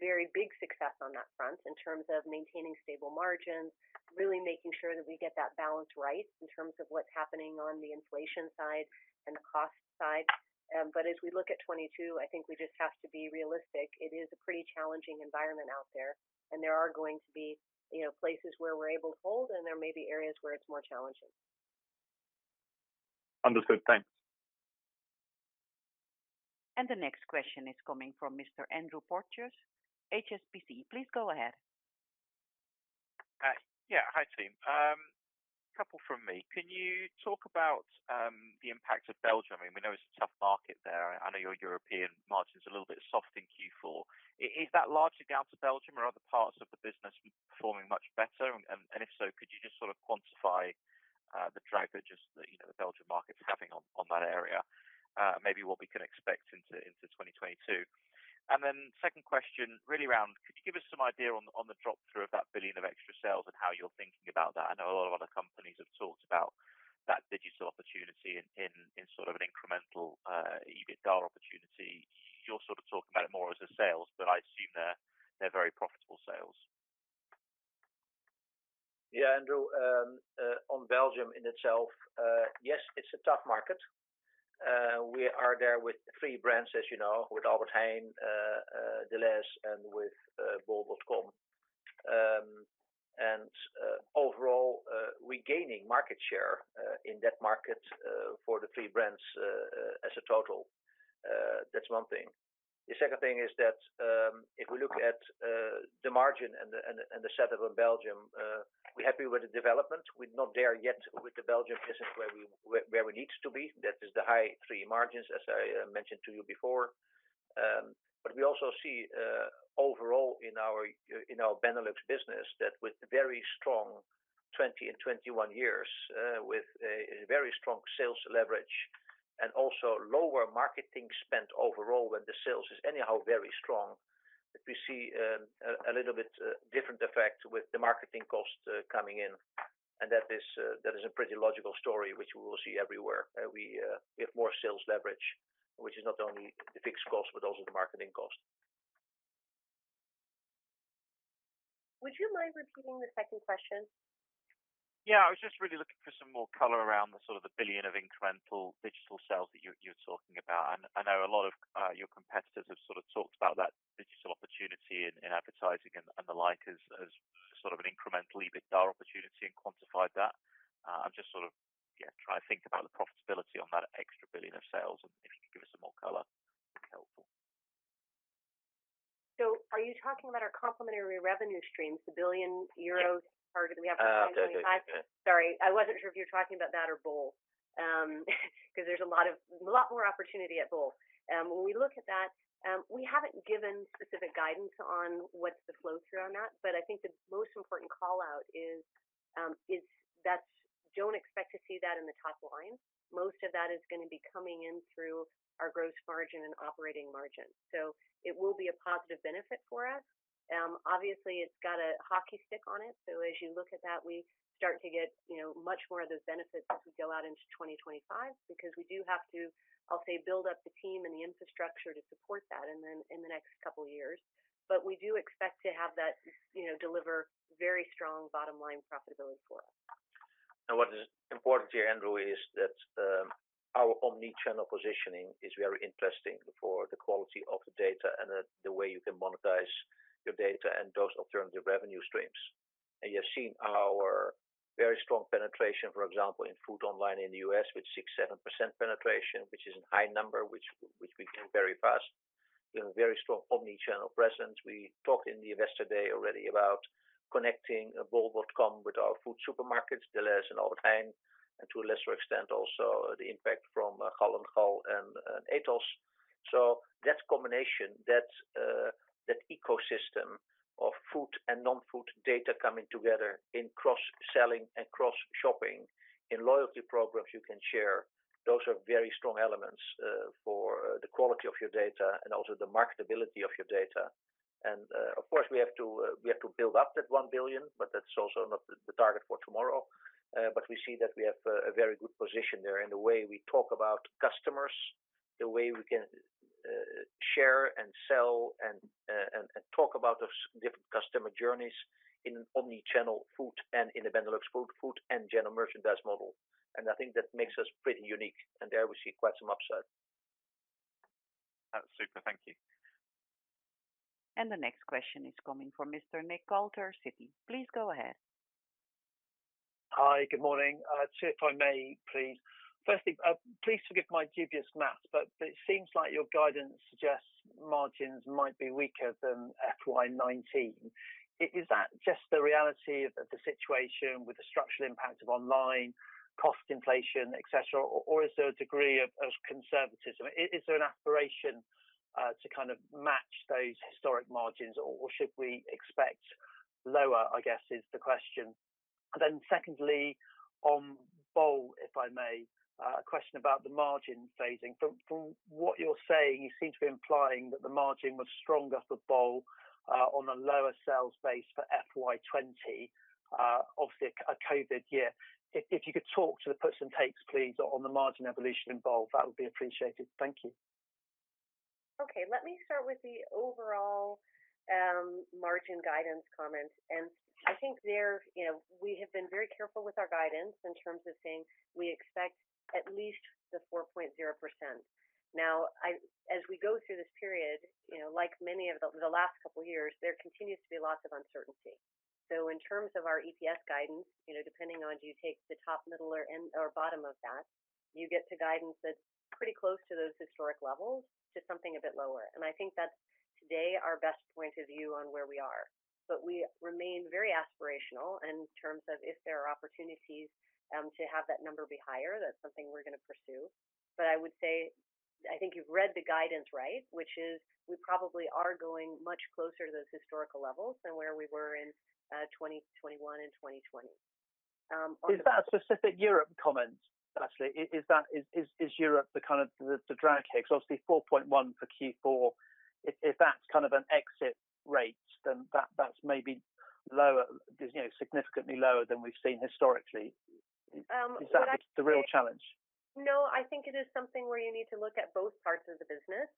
Speaker 4: very big success on that front in terms of maintaining stable margins, really making sure that we get that balance right in terms of what's happening on the inflation side and the cost side. As we look at 2022, I think we just have to be realistic. It is a pretty challenging environment out there, and there are going to be, you know, places where we're able to hold, and there may be areas where it's more challenging.
Speaker 3: Understood. Thanks.
Speaker 1: The next question is coming from Mr. Andrew Potter, HSBC. Please go ahead.
Speaker 7: Hi, team. Couple from me. Can you talk about the impact of Belgium? I mean, we know it's a tough market there. I know your European margin's a little bit soft in Q4. Is that largely down to Belgium or other parts of the business performing much better? If so, could you just sort of quantify the drag that just the Belgium market is having on that area, maybe what we can expect into 2022. Second question really around could you give us some idea on the drop through of that 1 billion of extra sales and how you're thinking about that? I know a lot of other companies have talked about that digital opportunity in sort of an incremental EBITDA opportunity. You're sort of talking about it more as a sales, but I assume they're very profitable sales.
Speaker 3: Yeah, Andrew. On Belgium in itself, yes, it's a tough market. We are there with three brands, as you know, with Albert Heijn, Delhaize, and with bol.com. Overall, we're gaining market share in that market for the three brands as a total. That's one thing. The second thing is that if we look at the margin and the setup in Belgium, we're happy with the development. We're not there yet with the Belgium business where we need to be. That is the high-teens margins, as I mentioned to you before. We also see overall in our Benelux business that with very strong 2020 and 2021 years, with a very strong sales leverage and also lower marketing spend overall when the sales is anyhow very strong, that we see a little bit different effect with the marketing costs coming in. That is a pretty logical story which we will see everywhere. We have more sales leverage, which is not only the fixed cost, but also the marketing cost.
Speaker 4: Would you mind repeating the second question?
Speaker 7: Yeah. I was just really looking for some more color around the sort of 1 billion of incremental digital sales that you're talking about. I know a lot of your competitors have sort of talked about that digital opportunity in advertising and the like as sort of an incremental EBITDA opportunity and quantified that. I'm just sort of yeah trying to think about the profitability on that extra 1 billion of sales, and if you could give us some more color, helpful.
Speaker 4: Are you talking about our complementary revenue streams, the 1 billion euros?
Speaker 7: Yeah.
Speaker 4: Target that we have for 2025?
Speaker 3: Oh, okay. Yeah.
Speaker 4: Sorry, I wasn't sure if you were talking about that or bol. 'Cause there's a lot more opportunity at bol. When we look at that, we haven't given specific guidance on what's the flow through on that, but I think the most important call-out is that don't expect to see that in the top line. Most of that is gonna be coming in through our gross margin and operating margin. It will be a positive benefit for us. Obviously, it's got a hockey stick on it. As you look at that, we start to get, you know, much more of those benefits as we go out into 2025 because we do have to, I'll say, build up the team and the infrastructure to support that and then in the next couple years. We do expect to have that, you know, deliver very strong bottom-line profitability for us.
Speaker 3: What is important here, Andrew, is that our omni-channel positioning is very interesting for the quality of the data and the way you can monetize your data and those alternative revenue streams. You have seen our very strong penetration, for example, in food online in the U.S. with 6%-7% penetration, which is a high number, which we grew very fast. We have a very strong omni-channel presence. We talked in the Investor Day already about connecting bol.com with our food supermarkets, Delhaize and Albert Heijn, and to a lesser extent also the impact from Gall & Gall and Etos. That combination, that ecosystem of food and non-food data coming together in cross-selling and cross-shopping, in loyalty programs you can share, those are very strong elements for the quality of your data and also the marketability of your data. Of course, we have to build up that 1 billion, but that's also not the target for tomorrow. We see that we have a very good position there in the way we talk about customers, the way we can share and sell and talk about those different customer journeys in an omni-channel food and in the Benelux food and general merchandise model. I think that makes us pretty unique, and there we see quite some upside.
Speaker 7: That's super. Thank you.
Speaker 1: The next question is coming from Mr. Nick Coulter, Citi. Please go ahead.
Speaker 8: Hi. Good morning. Two if I may, please. Firstly, please forgive my dubious math, but it seems like your guidance suggests margins might be weaker than FY 2019. Is that just the reality of the situation with the structural impact of online cost inflation, et cetera, or is there a degree of conservatism? Is there an aspiration to kind of match those historic margins, or should we expect lower? I guess is the question. Secondly, on bol, if I may, a question about the margin phasing. From what you're saying, you seem to be implying that the margin was stronger for bol on a lower sales base for FY 2020, obviously a COVID year. If you could talk to the puts and takes, please, on the margin evolution in bol, that would be appreciated. Thank you.
Speaker 4: Okay, let me start with the overall margin guidance comment. I think there, you know, we have been very careful with our guidance in terms of saying we expect at least 4.0%. Now, as we go through this period, you know, like many of the last couple of years, there continues to be lots of uncertainty. In terms of our EPS guidance, you know, depending on do you take the top, middle or end or bottom of that, you get to guidance that's pretty close to those historic levels or something a bit lower. I think that's today our best point of view on where we are. We remain very aspirational in terms of if there are opportunities to have that number be higher, that's something we're gonna pursue. I would say, I think you've read the guidance right, which is we probably are going much closer to those historical levels than where we were in 2021 and 2020.
Speaker 8: Is that a specific Europe comment, Natalie? Is that Europe the kind of drag here? Because obviously 4.1% for Q4, if that's kind of an exit rate, then that's maybe lower, you know, significantly lower than we've seen historically.
Speaker 4: Well, I think.
Speaker 8: Is that the real challenge?
Speaker 4: No, I think it is something where you need to look at both parts of the business.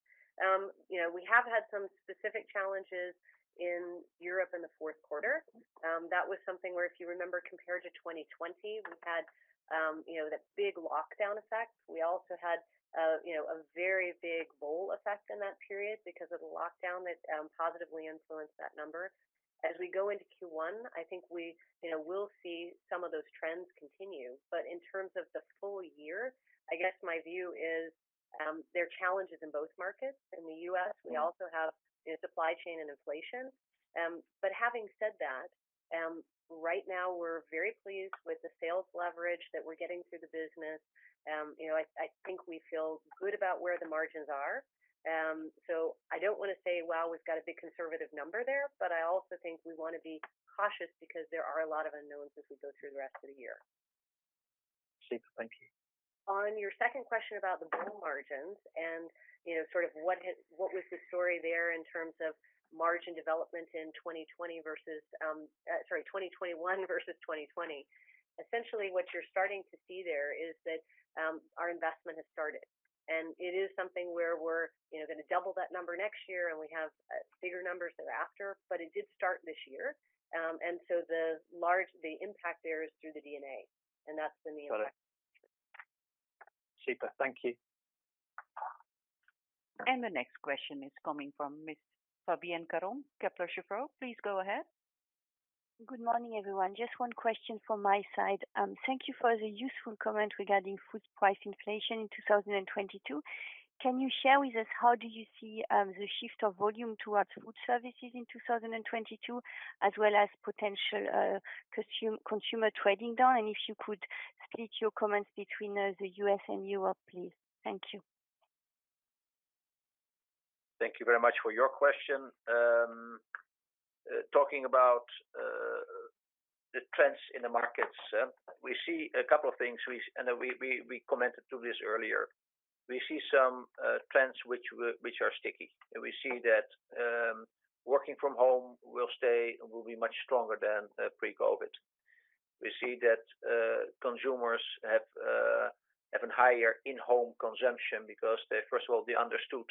Speaker 4: You know, we have had some specific challenges in Europe in the fourth quarter. That was something where if you remember compared to 2020, we had, you know, that big lockdown effect. We also had, you know, a very big bowl effect in that period because of the lockdown that positively influenced that number. As we go into Q1, I think we, you know, will see some of those trends continue. In terms of the full year, I guess my view is, there are challenges in both markets. In the U.S., we also have, you know, supply chain and inflation. Having said that, right now we're very pleased with the sales leverage that we're getting through the business. You know, I think we feel good about where the margins are. I don't wanna say, well, we've got a big conservative number there, but I also think we wanna be cautious because there are a lot of unknowns as we go through the rest of the year.
Speaker 8: Super. Thank you.
Speaker 4: On your second question about the bol.com margins and, you know, sort of what was the story there in terms of margin development in 2021 versus 2020. Essentially, what you're starting to see there is that our investment has started, and it is something where we're, you know, gonna double that number next year, and we have bigger numbers thereafter. It did start this year. The impact there is through the D&A, and that's the main effect.
Speaker 8: Got it. Super. Thank you.
Speaker 1: The next question is coming from Miss Fabienne Caron, Kepler Cheuvreux. Please go ahead.
Speaker 9: Good morning, everyone. Just one question from my side. Thank you for the useful comment regarding food price inflation in 2022. Can you share with us how do you see the shift of volume towards food services in 2022, as well as potential consumer trading down? If you could split your comments between the U.S. and Europe, please. Thank you.
Speaker 3: Thank you very much for your question. Talking about the trends in the markets, we see a couple of things. We commented on this earlier. We see some trends which are sticky. We see that working from home will stay and will be much stronger than pre-COVID. We see that consumers have a higher in-home consumption because they, first of all, they understood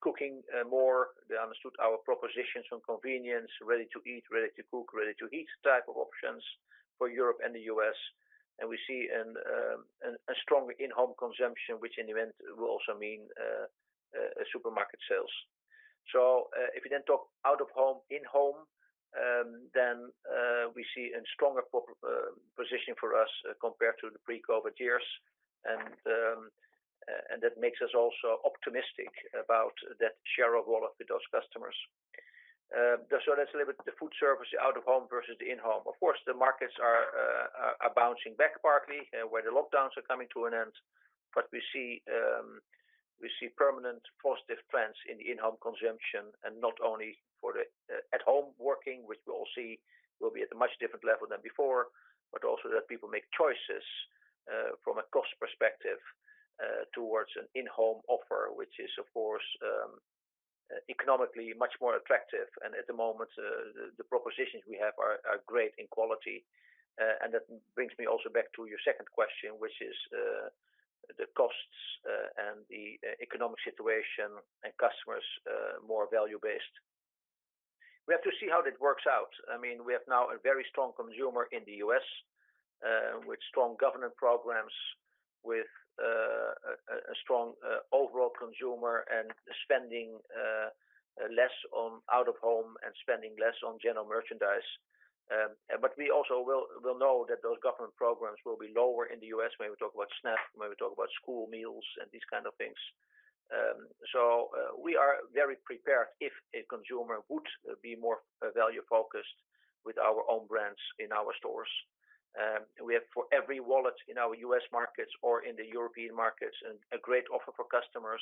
Speaker 3: cooking more. They understood our propositions on convenience, ready to eat, ready to cook, ready to heat type of options for Europe and the U.S. We see a strong in-home consumption, which in the end will also mean supermarket sales. If you then talk out of home, in-home, then we see a stronger position for us compared to the pre-COVID years. That makes us also optimistic about that share of wallet with those customers. That's a little bit the food service out of home versus the in-home. Of course, the markets are bouncing back partly where the lockdowns are coming to an end. But we see permanent positive trends in the in-home consumption, and not only for the at-home working, which we all see will be at a much different level than before, but also that people make choices from a cost perspective towards an in-home offer, which is of course economically much more attractive. At the moment, the propositions we have are great in quality. That brings me also back to your second question, which is, the costs, and the economic situation and customers, more value-based. We have to see how that works out. I mean, we have now a very strong consumer in the U.S., with strong government programs, with a strong overall consumer and spending, less on out of home and spending less on general merchandise. We also will know that those government programs will be lower in the U.S. when we talk about SNAP, when we talk about school meals and these kind of things. We are very prepared if a consumer would be more, value-focused with our own brands in our stores. We have for every wallet in our U.S. markets or in the European markets and a great offer for customers,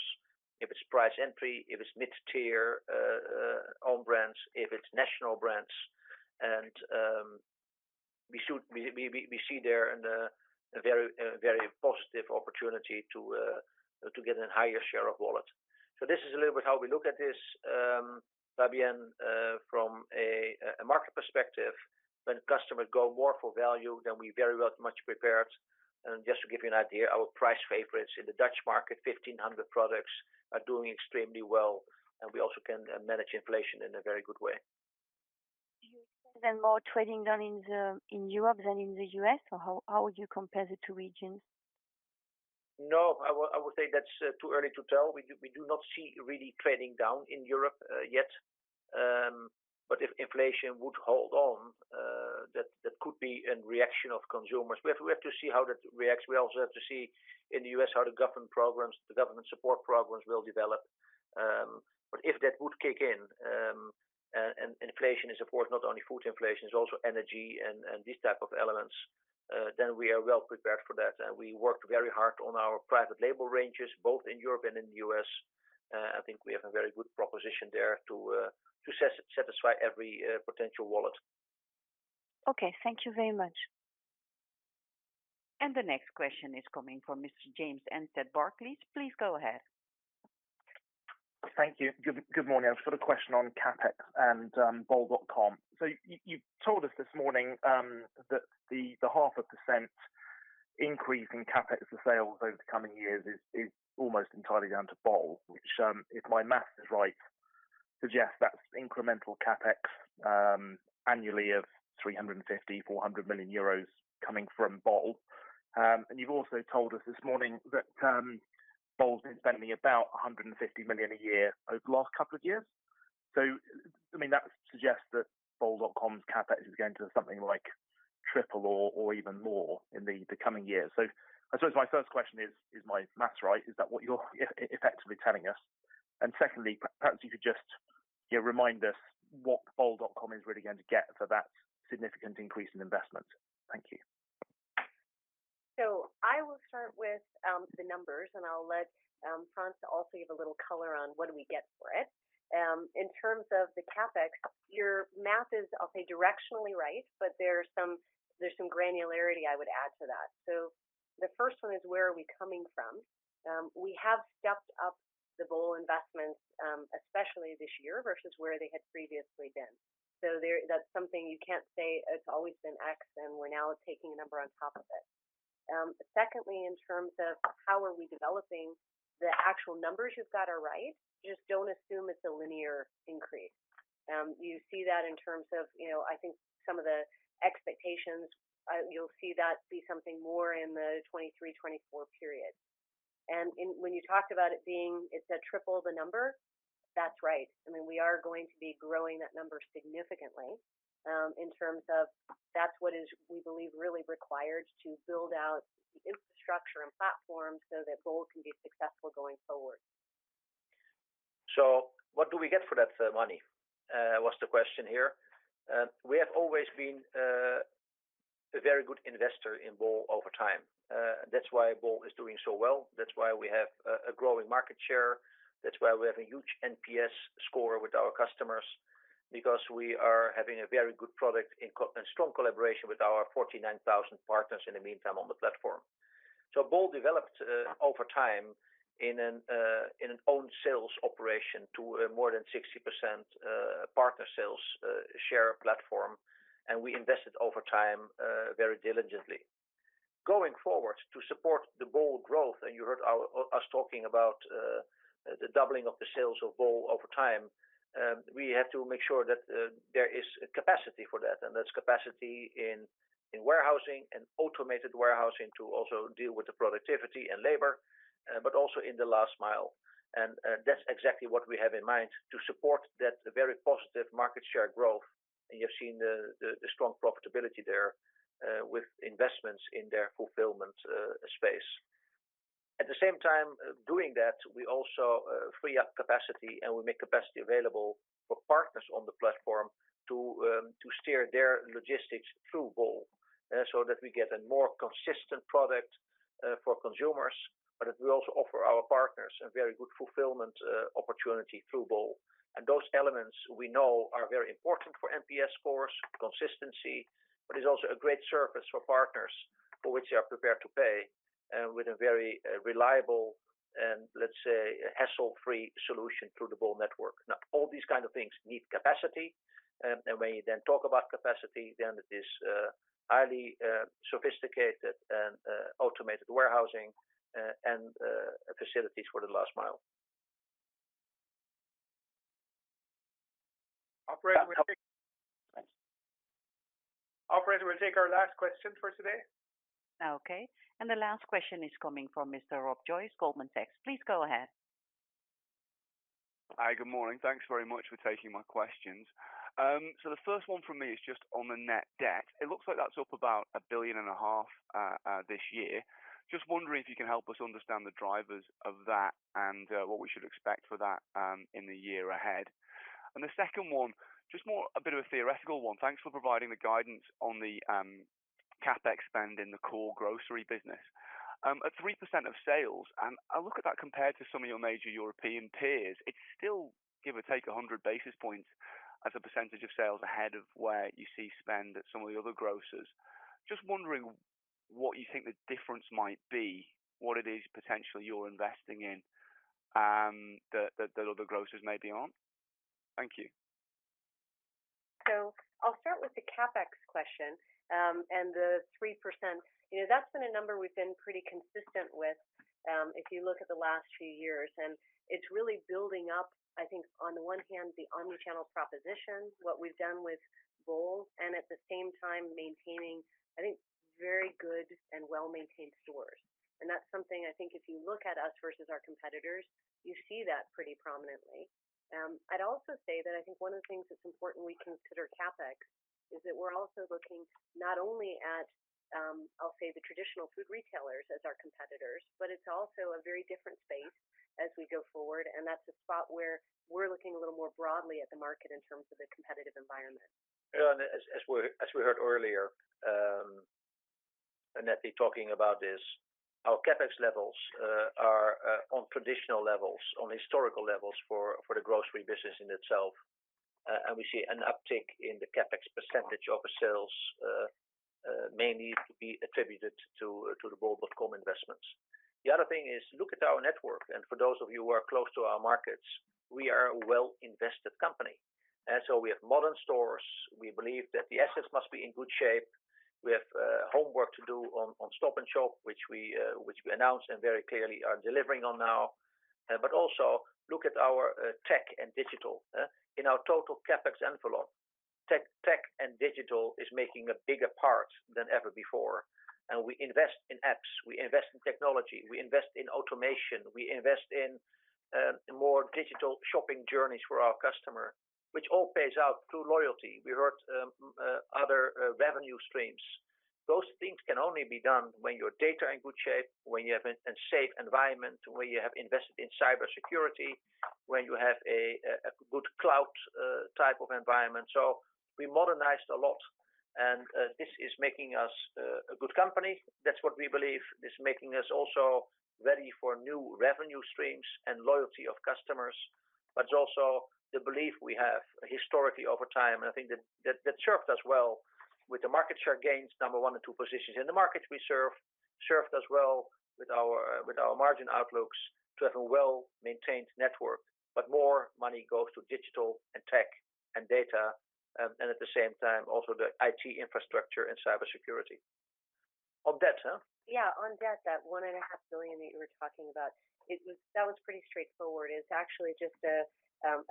Speaker 3: if it's price entry, if it's mid-tier, own brands, if it's national brands. We see there a very positive opportunity to get a higher share of wallet. This is a little bit how we look at this, Fabienne, from a market perspective. When customers go more for value, then we're very well much prepared. Just to give you an idea, our Prijsfavorieten in the Dutch market, 1,500 products are doing extremely well, and we also can manage inflation in a very good way.
Speaker 9: Do you see then more trading down in Europe than in the U.S., or how would you compare the two regions?
Speaker 3: No, I would say that's too early to tell. We do not see really trading down in Europe yet. If inflation would hold on, that could be a reaction of consumers. We have to see how that reacts. We also have to see in the U.S. how the government programs, the government support programs will develop. If that would kick in, and inflation is of course not only food inflation, it's also energy and these type of elements, then we are well prepared for that. We worked very hard on our private label ranges, both in Europe and in the U.S. I think we have a very good proposition there to satisfy every potential wallet.
Speaker 9: Okay. Thank you very much.
Speaker 1: The next question is coming from Mr. James Anstead, Barclays. Please go ahead.
Speaker 10: Thank you. Good morning. I've just got a question on CapEx and bol.com. You told us this morning that the 0.5% increase in CapEx for sales over the coming years is almost entirely down to bol, which, if my math is right, suggests that's incremental CapEx annually of 350 million-400 million euros coming from bol. You've also told us this morning that bol's been spending about 150 million a year over the last couple of years. I mean, that suggests that bol.com's CapEx is going to something like triple or even more in the coming years. I suppose my first question is my math right? Is that what you're effectively telling us? Secondly, perhaps you could just, you know, remind us what bol.com is really going to get for that significant increase in investment. Thank you.
Speaker 4: I will start with the numbers, and I'll let Frans also give a little color on what we get for it. In terms of the CapEx, your math is, I'll say, directionally right, but there's some granularity I would add to that. The first one is, where are we coming from? We have stepped up the bol investments, especially this year versus where they had previously been. That's something you can't say it's always been X, and we're now taking a number on top of it. Secondly, in terms of how we are developing, the actual numbers you've got are right. Just don't assume it's a linear increase. You see that in terms of, you know, I think some of the expectations. You'll see that be something more in the 2023/2024 period. When you talked about it being it's a triple the number, that's right. I mean, we are going to be growing that number significantly, in terms of that's what is, we believe, really required to build out the infrastructure and platform so that bol can be successful going forward.
Speaker 3: What do we get for that money? That was the question here. We have always been a very good investor in bol over time. That's why bol is doing so well. That's why we have a growing market share. That's why we have a huge NPS score with our customers because we are having a very good product in strong collaboration with our 49,000 partners in the meantime on the platform. Bol developed over time in an own sales operation to more than 60% partner sales share platform. We invested over time very diligently. Going forward, to support the bol growth, and you heard us talking about the doubling of the sales of bol over time, we have to make sure that there is capacity for that. That's capacity in warehousing and automated warehousing to also deal with the productivity and labor, but also in the last mile. That's exactly what we have in mind to support that very positive market share growth. You've seen the strong profitability there, with investments in their fulfillment space. At the same time doing that, we also free up capacity, and we make capacity available for partners on the platform to steer their logistics through bol, so that we get a more consistent product for consumers. But it will also offer our partners a very good fulfillment opportunity through bol. Those elements we know are very important for NPS scores, consistency, but is also a great service for partners for which they are prepared to pay, with a very reliable and, let's say, hassle-free solution through the bol network. Now, all these kind of things need capacity, and when you then talk about capacity, then it is highly sophisticated and automated warehousing and facilities for the last mile.
Speaker 2: Operator, we'll take.
Speaker 3: Thanks.
Speaker 2: Operator, we'll take our last question for today.
Speaker 1: Okay. The last question is coming from Mr. Rob Joyce, Goldman Sachs. Please go ahead.
Speaker 11: Hi. Good morning. Thanks very much for taking my questions. The first one from me is just on the net debt. It looks like that's up about 1.5 billion this year. Just wondering if you can help us understand the drivers of that and what we should expect for that in the year ahead. The second one, just more a bit of a theoretical one. Thanks for providing the guidance on the CapEx spend in the core grocery business. At 3% of sales, and I look at that compared to some of your major European peers, it's still give or take 100 basis points as a percentage of sales ahead of where you see spend at some of the other grocers. Just wondering what you think the difference might be, what it is potentially you're investing in, that other grocers maybe aren't. Thank you.
Speaker 4: I'll start with the CapEx question, and the 3%. You know, that's been a number we've been pretty consistent with, if you look at the last few years, and it's really building up, I think on the one hand, the omni-channel proposition, what we've done with bol.com, and at the same time maintaining, I think, very good and well-maintained stores. That's something I think if you look at us versus our competitors, you see that pretty prominently. I'd also say that I think one of the things that's important we consider CapEx, is that we're also looking not only at, I'll say the traditional food retailers as our competitors, but it's also a very different space as we go forward, and that's a spot where we're looking a little more broadly at the market in terms of the competitive environment.
Speaker 3: As we heard earlier, and Natalie talking about this, our CapEx levels are on traditional levels, on historical levels for the grocery business in itself. We see an uptick in the CapEx percentage of sales, mainly to be attributed to the bol.com investments. The other thing is look at our network, and for those of you who are close to our markets, we are a well-invested company. We have modern stores. We believe that the assets must be in good shape. We have homework to do on Stop & Shop, which we announced and very clearly are delivering on now. Also look at our tech and digital. In our total CapEx envelope, tech and digital is making a bigger part than ever before. We invest in apps, we invest in technology, we invest in automation, we invest in more digital shopping journeys for our customer, which all pays out to loyalty. We have other revenue streams. Those things can only be done when our data are in good shape, when you have a safe environment, where you have invested in cybersecurity, when you have a good cloud type of environment. We modernized a lot and this is making us a good company. That's what we believe. This is making us also ready for new revenue streams and loyalty of customers, but also the belief we have historically over time. I think that served us well with the market share gains, number one and two positions in the markets we serve. served us well with our margin outlooks to have a well-maintained network. More money goes to digital and tech and data, and at the same time also the IT infrastructure and cybersecurity. On debt.
Speaker 4: Yeah, on debt, that 1.5 billion that you were talking about, that was pretty straightforward. It's actually just a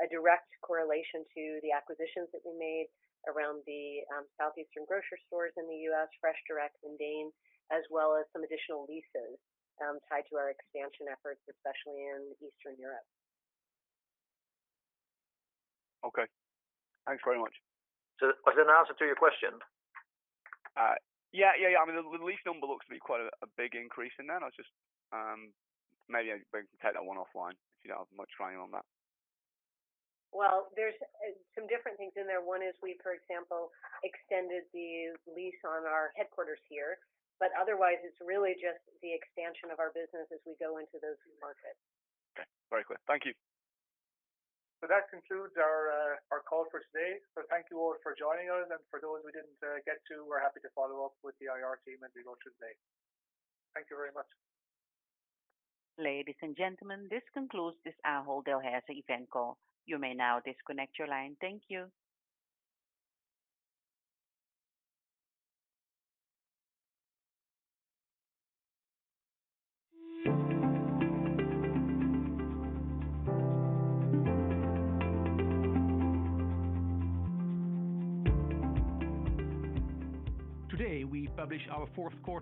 Speaker 4: direct correlation to the acquisitions that we made around the Southeastern Grocers stores in the U.S., FreshDirect and DEEN, as well as some additional leases tied to our expansion efforts, especially in Eastern Europe.
Speaker 11: Okay. Thanks very much.
Speaker 3: Was that an answer to your question?
Speaker 11: Yeah, yeah. I mean, the lease number looks to be quite a big increase in that. I was just maybe we can take that one offline if you don't have much framing on that.
Speaker 4: Well, there's some different things in there. One is we, for example, extended the lease on our headquarters here, but otherwise it's really just the expansion of our business as we go into those markets.
Speaker 11: Okay. Very clear. Thank you.
Speaker 2: That concludes our call for today. Thank you all for joining us and for those we didn't get to, we're happy to follow up with the IR team as we go through the day. Thank you very much.
Speaker 1: Ladies and gentlemen, this concludes this Ahold Delhaize event call. You may now disconnect your line. Thank you.
Speaker 3: Today we publish our fourth quarter.